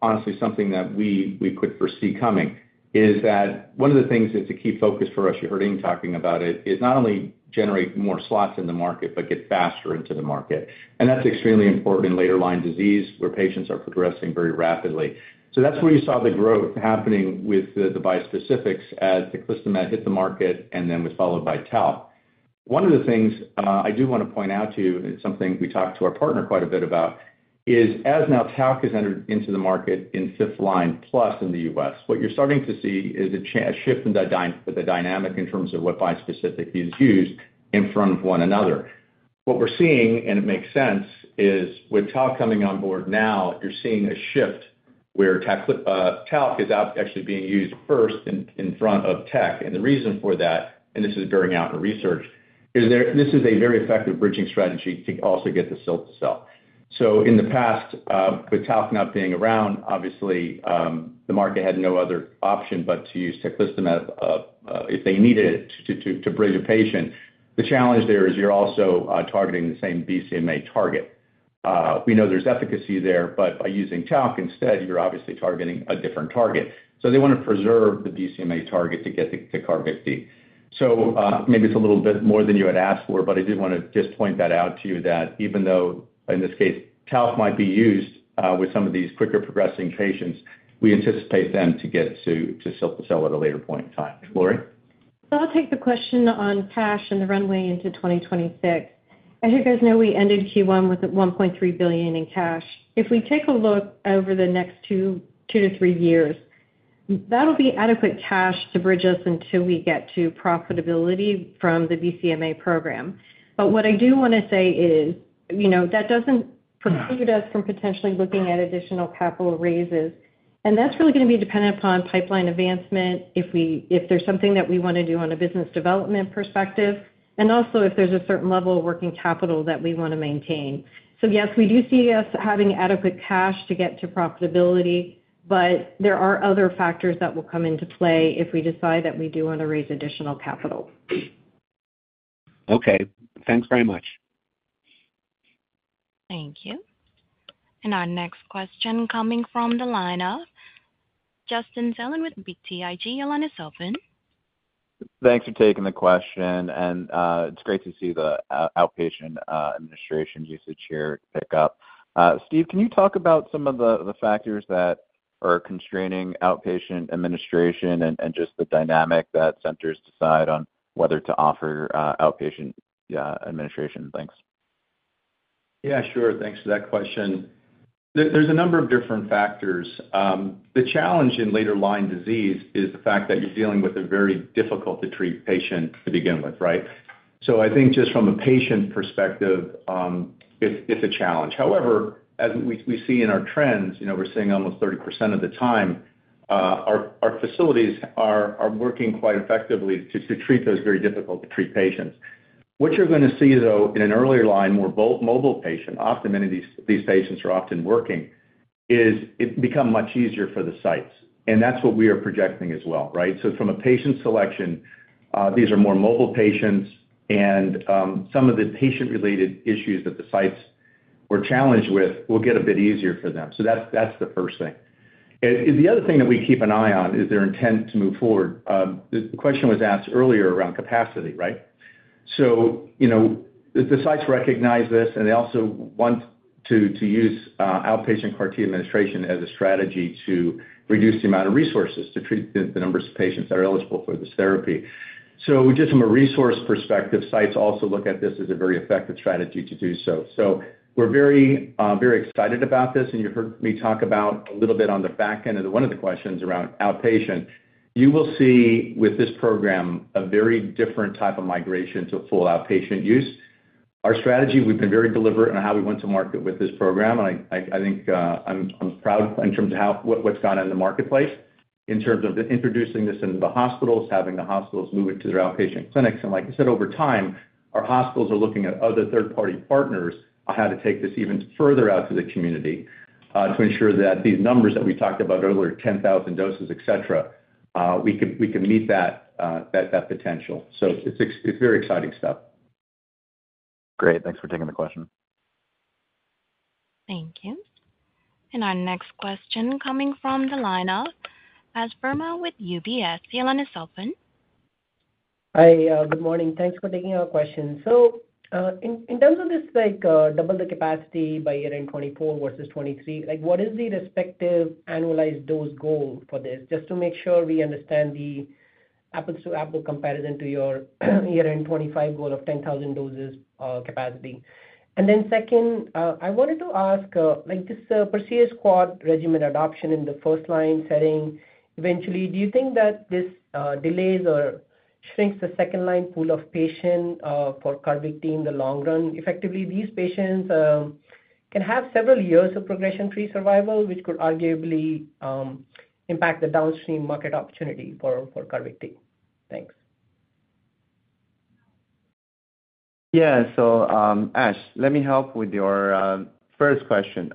honestly, something that we could foresee coming, is that one of the things that's a key focus for us. You heard Ying talking about it, is not only generate more slots in the market, but get faster into the market. That's extremely important in later line disease, where patients are progressing very rapidly. So that's where you saw the growth happening with the bispecifics as teclistamab hit the market and then was followed by tal. One of the things I do wanna point out to you, and it's something we talked to our partner quite a bit about, is as now tal has entered into the market in fifth line plus in the U.S., what you're starting to see is a shift in the dynamic in terms of what bispecific is used in front of one another. What we're seeing, and it makes sense, is with tal coming on board now, you're seeing a shift where tal is actually being used first in front of tec. And the reason for that, and this is bearing out in research, is this is a very effective bridging strategy to also get the cilta-cel. So in the past, with tal not being around, obviously, the market had no other option but to use teclistamab, if they needed it, to bridge a patient. The challenge there is you're also targeting the same BCMA target. We know there's efficacy there, but by using tal instead, you're obviously targeting a different target. So they wanna preserve the BCMA target to get to CARVYKTI. So, maybe it's a little bit more than you had asked for, but I did wanna just point that out to you that even though, in this case, tal might be used with some of these quicker progressing patients, we anticipate them to get to cilta-cel at a later point in time. Lori? So I'll take the question on cash and the runway into 2026. As you guys know, we ended first quarter with $1.3 billion in cash. If we take a look over the next two to three years, that'll be adequate cash to bridge us until we get to profitability from the BCMA program. But what I do wanna say is, you know, that doesn't preclude us from potentially looking at additional capital raises, and that's really gonna be dependent upon pipeline advancement, if there's something that we wanna do on a business development perspective, and also if there's a certain level of working capital that we wanna maintain. So yes, we do see us having adequate cash to get to profitability, but there are other factors that will come into play if we decide that we do wanna raise additional capital. Okay, thanks very much. Thank you. Our next question coming from the line of Justin Zelin with BTIG. Your line is open. Thanks for taking the question, and it's great to see the outpatient administration usage here pick up. Steve, can you talk about some of the factors that are constraining outpatient administration and just the dynamic that centers decide on whether to offer outpatient administration? Thanks. Yeah, sure. Thanks for that question. There's a number of different factors. The challenge in later line disease is the fact that you're dealing with a very difficult-to-treat patient to begin with, right? So I think just from a patient perspective, it's a challenge. However, as we see in our trends, you know, we're seeing almost 30% of the time, our facilities are working quite effectively to treat those very difficult-to-treat patients. What you're gonna see, though, in an earlier line, more mobile patient, often many of these patients are often working, it becomes much easier for the sites, and that's what we are projecting as well, right? So from a patient selection, these are more mobile patients, and some of the patient-related issues that the sites were challenged with will get a bit easier for them. So that's, that's the first thing. And the other thing that we keep an eye on is their intent to move forward. The question was asked earlier around capacity, right? So, you know, the sites recognize this, and they also want to use outpatient CAR-T administration as a strategy to reduce the amount of resources to treat the numbers of patients that are eligible for this therapy. So just from a resource perspective, sites also look at this as a very effective strategy to do so. So we're very, very excited about this, and you heard me talk about a little bit on the back end of the one of the questions around outpatient. You will see, with this program, a very different type of migration to full outpatient use. Our strategy, we've been very deliberate on how we went to market with this program, and I think, I'm proud in terms of how what's gone on in the marketplace, in terms of the introducing this into the hospitals, having the hospitals move it to their outpatient clinics. And like I said, over time, our hospitals are looking at other third-party partners on how to take this even further out to the community, to ensure that these numbers that we talked about earlier, 10,000 doses, etc, we can meet that potential. So it's very exciting stuff. Great. Thanks for taking the question. Thank you. Our next question coming from the line of Ashwani Verma with UBS. Your line is open. Hi, good morning. Thanks for taking our question. So, in terms of this, like, double the capacity by year-end 2024 versus 2023, like, what is the respective annualized dose goal for this? Just to make sure we understand the apples to apples comparison to your year-end 2025 goal of 10,000 doses, capacity. And then second, I wanted to ask, like, this, perceived quad regimen adoption in the first line setting, eventually, do you think that this, delays or shrinks the second line pool of patient, for CARVYKTI in the long run? Effectively, these patients, can have several years of progression-free survival, which could arguably, impact the downstream market opportunity for, for CARVYKTI. Thanks.... Yeah, so, Ash, let me help with your first question.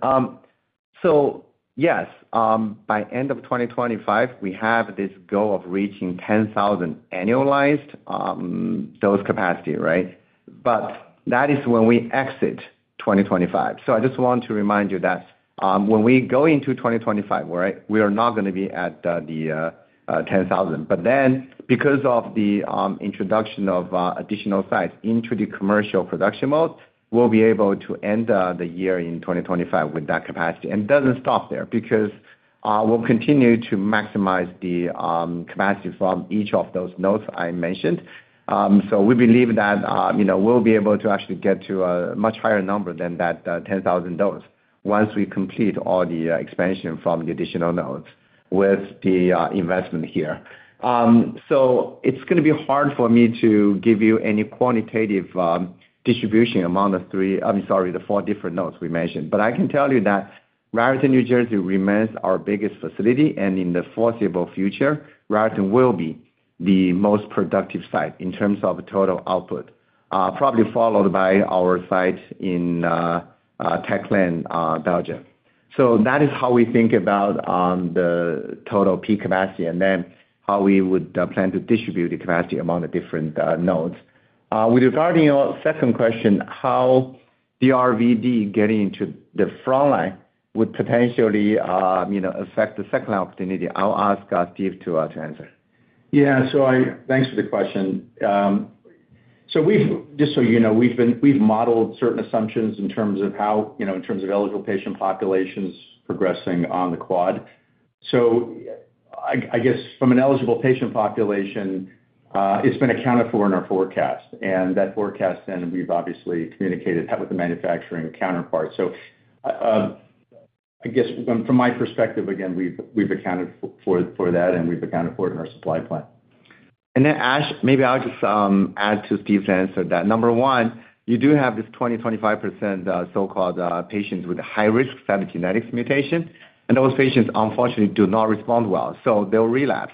So yes, by end of 2025, we have this goal of reaching 10,000 annualized dose capacity, right? But that is when we exit 2025. So I just want to remind you that, when we go into 2025, right, we are not gonna be at the 10,000. But then, because of the introduction of additional sites into the commercial production mode, we'll be able to end the year in 2025 with that capacity. And it doesn't stop there, because, we'll continue to maximize the capacity from each of those nodes I mentioned. So we believe that, you know, we'll be able to actually get to a much higher number than that, 10,000 dose once we complete all the, expansion from the additional nodes with the, investment here. So it's gonna be hard for me to give you any quantitative, distribution among the three, I'm sorry, the four different nodes we mentioned. But I can tell you that Raritan, New Jersey, remains our biggest facility, and in the foreseeable future, Raritan will be the most productive site in terms of total output, probably followed by our site in, Tech Lane, Belgium. So that is how we think about, the total peak capacity, and then how we would, plan to distribute the capacity among the different, nodes. Regarding your second question, how the RVd getting into the frontline would potentially, you know, affect the second line opportunity, I'll ask Steve to answer. Yeah. So thanks for the question. So we've just so you know, we've been, we've modeled certain assumptions in terms of how, you know, in terms of eligible patient populations progressing on the quad. So I guess from an eligible patient population, it's been accounted for in our forecast. And that forecast then we've obviously communicated that with the manufacturing counterpart. So I guess from my perspective, again, we've accounted for that, and we've accounted for it in our supply plan. Then Ash, maybe I'll just add to Steve's answer, that number one, you do have this 20%-25%, so-called, patients with high risk cytogenetics mutation, and those patients unfortunately do not respond well, so they'll relapse.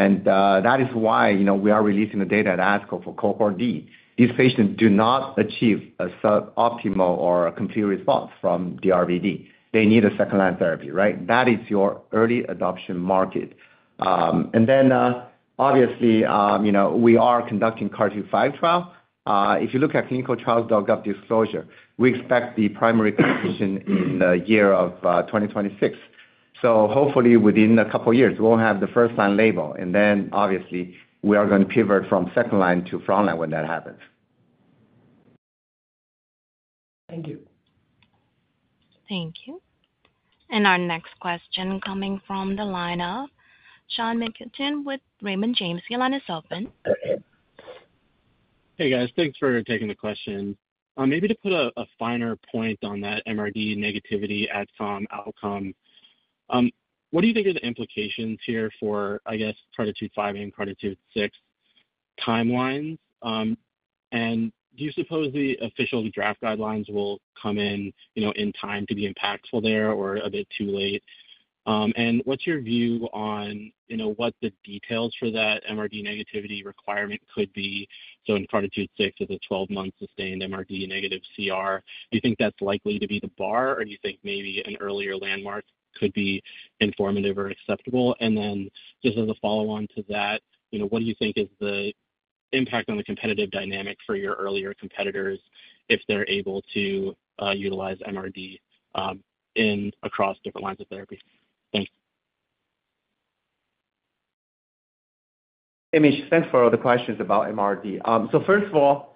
And, that is why, you know, we are releasing the data at ASCO for Cohort D. These patients do not achieve a sub-optimal or a complete response from DRVd. They need a second line therapy, right? That is your early adoption market. And then, obviously, you know, we are conducting CARTITUDE-5 trial. If you look at clinicaltrials.gov disclosure, we expect the primary completion in the year of 2026. So hopefully within a couple of years, we'll have the first line label, and then obviously we are going to pivot from second line to frontline when that happens. Thank you. Thank you. Our next question coming from the line of Sean McCutcheon with Raymond James. Your line is open. Hey, guys. Thanks for taking the question. Maybe to put a finer point on that MRD negativity ODAC outcome, what do you think are the implications here for, I guess, CARTITUDE-5 and CARTITUDE-6 timelines? And do you suppose the official draft guidelines will come in, you know, in time to be impactful there or a bit too late? And what's your view on, you know, what the details for that MRD negativity requirement could be? So in CARTITUDE-6, is it 12 months sustained MRD negative CR, do you think that's likely to be the bar, or do you think maybe an earlier landmark could be informative or acceptable? And then just as a follow-on to that, you know, what do you think is the impact on the competitive dynamic for your earlier competitors if they're able to utilize MRD across different lines of therapy? Thanks. Hey Mitch, thanks for all the questions about MRD. So first of all,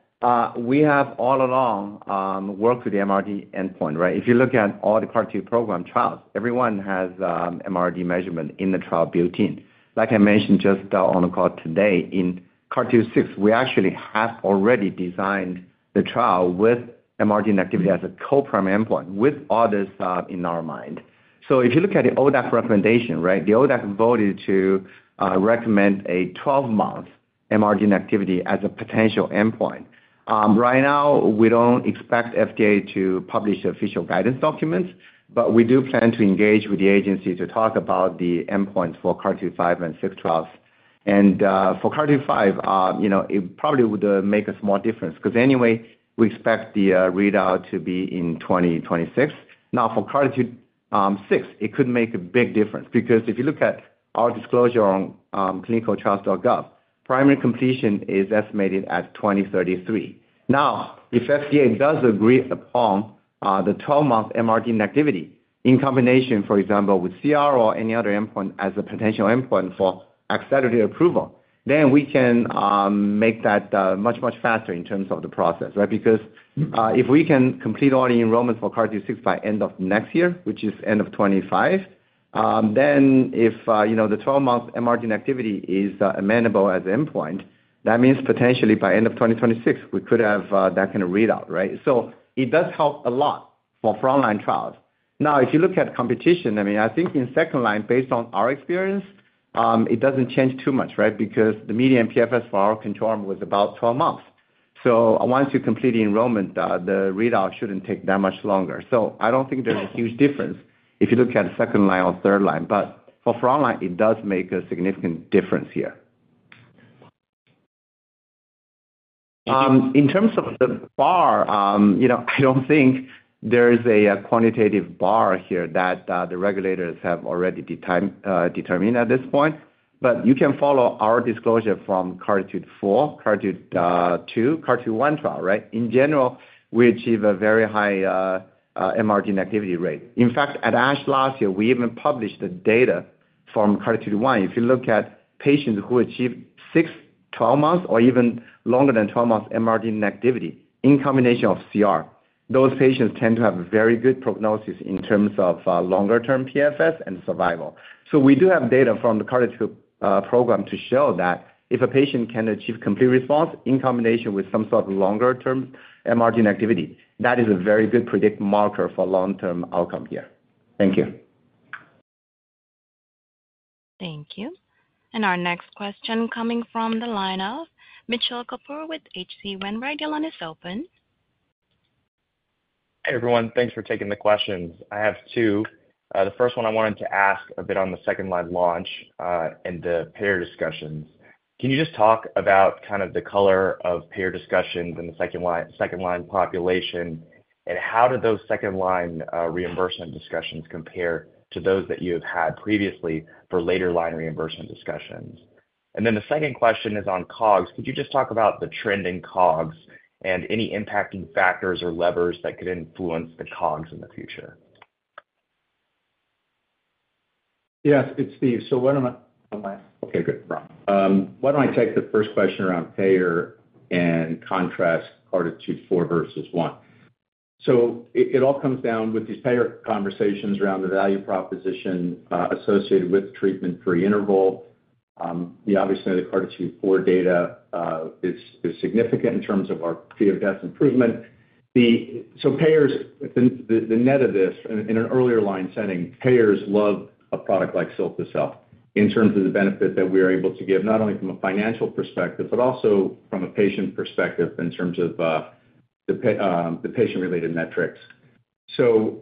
we have all along, worked with the MRD endpoint, right? If you look at all the CARTITUDE program trials, everyone has, MRD measurement in the trial built in. Like I mentioned just, on the call today, in CARTITUDE-6, we actually have already designed the trial with MRD negativity as a co-primary endpoint, with others, in our mind. So if you look at the ODAC recommendation, right, the ODAC voted to, recommend a twelve-month MRD negativity as a potential endpoint. Right now, we don't expect FDA to publish official guidance documents, but we do plan to engage with the agency to talk about the endpoints for CARTITUDE-5 and 6 trials. For CARTITUDE-5, you know, it probably would make a small difference, 'cause anyway, we expect the readout to be in 2026. Now, for CARTITUDE-6, it could make a big difference, because if you look at our disclosure on clinicaltrials.gov, primary completion is estimated at 2033. Now, if FDA does agree upon the 12-month MRD negativity in combination, for example, with CR or any other endpoint as a potential endpoint for accelerated approval, then we can make that much, much faster in terms of the process, right? Because, if we can complete all the enrollments for CARTITUDE-6 by end of next year, which is end of 2025, then if, you know, the 12-month MRD negativity is, amendable as endpoint, that means potentially by end of 2026, we could have, that kind of readout, right? So, it does help a lot for frontline trials. Now, if you look at competition, I mean, I think in second line, based on our experience, it doesn't change too much, right? Because the median PFS for our control arm was about 12 months. So once you complete the enrollment, the readout shouldn't take that much longer. So I don't think there's a huge difference... If you look at second line or third line, but for front line, it does make a significant difference here. In terms of the bar, you know, I don't think there is a quantitative bar here that the regulators have already determined at this point. But you can follow our disclosure from CARTITUDE-4, CARTITUDE-2, CARTITUDE-1 trial, right? In general, we achieve a very high MRD negativity rate. In fact, at ASH last year, we even published the data from CARTITUDE-1. If you look at patients who achieve six, 12 months or even longer than 12 months MRD negativity in combination of CR, those patients tend to have very good prognosis in terms of longer term PFS and survival. So we do have data from the CARTITUDE program to show that if a patient can achieve complete response in combination with some sort of longer term MRD negativity, that is a very good predictive marker for long-term outcome here. Thank you. Thank you. Our next question coming from the line of Mitchell Kapoor with H.C. Wainwright. Your line is open. Hi, everyone. Thanks for taking the questions. I have two. The first one I wanted to ask a bit on the second line launch, and the payer discussions. Can you just talk about kind of the color of payer discussions in the second line, second line population, and how do those second line, reimbursement discussions compare to those that you have had previously for later line reimbursement discussions? And then the second question is on COGS. Could you just talk about the trend in COGS and any impacting factors or levers that could influence the COGS in the future? Yes, it's Steve. So why don't I take the first question around payer and contrast CARTITUDE-4 versus one. So it all comes down with these payer conversations around the value proposition associated with treatment-free interval. Yeah, obviously, the CARTITUDE-4 data is significant in terms of our PFS improvement. So payers, the net of this, in an earlier line setting, payers love a product like cilta-cel in terms of the benefit that we are able to give, not only from a financial perspective, but also from a patient perspective in terms of the patient-related metrics. So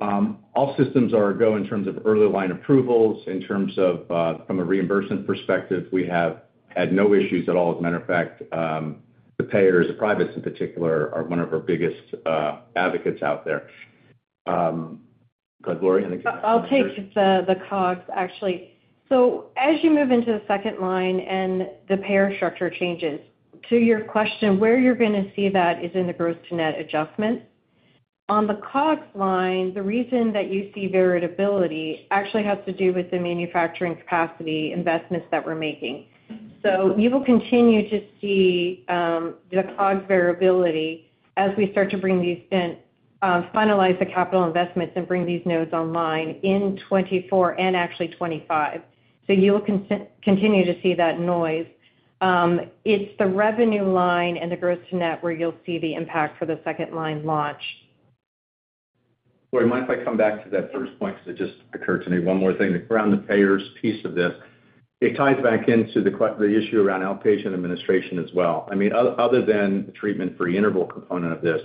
all systems are go in terms of early line approvals, in terms of from a reimbursement perspective, we have had no issues at all. As a matter of fact, the payers, the privates in particular, are one of our biggest advocates out there. Go ahead, Lori, and then- I'll take the COGS, actually. So as you move into the second line and the payer structure changes, to your question, where you're gonna see that is in the gross to net adjustment. On the COGS line, the reason that you see variability actually has to do with the manufacturing capacity investments that we're making. So, you will continue to see the COGS variability as we start to bring these in, finalize the capital investments and bring these nodes online in 2024 and actually 2025. So you'll continue to see that noise. It's the revenue line and the gross to net where you'll see the impact for the second line launch. Lori, mind if I come back to that first point? Because it just occurred to me, one more thing around the payers piece of this. It ties back into the the issue around outpatient administration as well. I mean, other than the treatment-free interval component of this,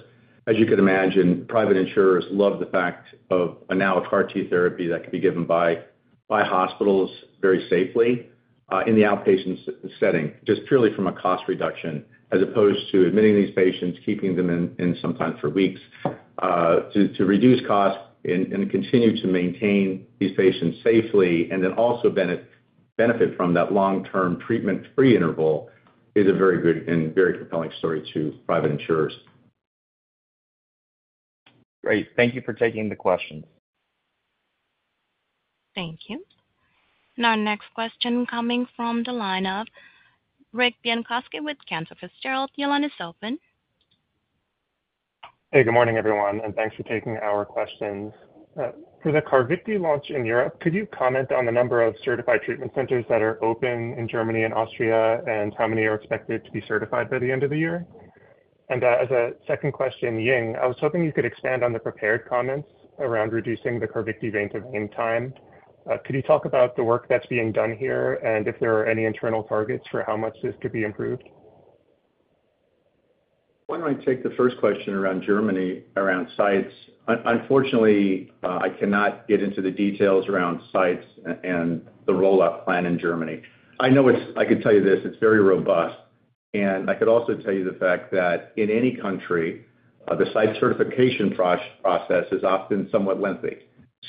as you can imagine, private insurers love the fact of a now a CAR-T therapy that can be given by, by hospitals very safely, in the outpatient setting, just purely from a cost reduction, as opposed to admitting these patients, keeping them in, in sometimes for weeks, to, to reduce costs and, and continue to maintain these patients safely, and then also benefit from that long-term treatment-free interval, is a very good and very compelling story to private insurers. Great. Thank you for taking the questions. Thank you. And our next question coming from the line of Rick Bienkowski with Cantor Fitzgerald. Your line is open. Hey, good morning, everyone, and thanks for taking our questions. For the CARVYKTI launch in Europe, could you comment on the number of certified treatment centers that are open in Germany and Austria, and how many are expected to be certified by the end of the year? And, as a second question, Ying, I was hoping you could expand on the prepared comments around reducing the CARVYKTI vein-to-vein time. Could you talk about the work that's being done here, and if there are any internal targets for how much this could be improved? Why don't I take the first question around Germany, around sites? Unfortunately, I cannot get into the details around sites and the rollout plan in Germany. I know it's very robust, and I could also tell you the fact that in any country, the site certification process is often somewhat lengthy.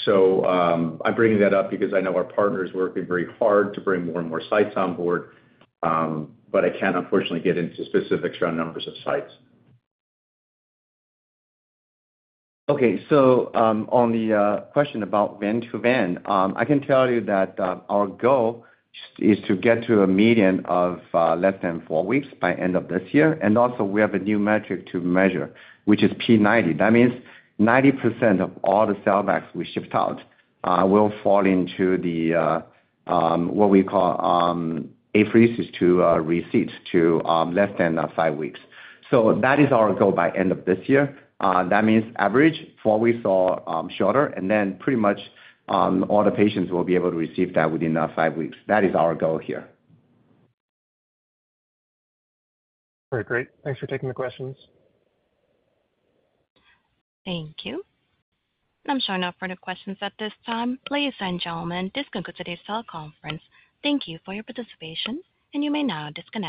So, I'm bringing that up because I know our partner is working very hard to bring more and more sites on board, but I can't unfortunately get into specifics around numbers of sites. Okay, so, on the question about vein-to-vein, I can tell you that, our goal is to get to a median of less than four weeks by end of this year, and also, we have a new metric to measure, which is P90. That means 90% of all the sellbacks we shipped out will fall into what we call apheresis to receipt to less than five weeks. So that is our goal by end of this year. That means average four weeks or shorter, and then pretty much all the patients will be able to receive that within five weeks. That is our goal here. Very great. Thanks for taking the questions. Thank you. I'm showing no further questions at this time. Ladies and gentlemen, this concludes today's call conference. Thank you for your participation, and you may now disconnect.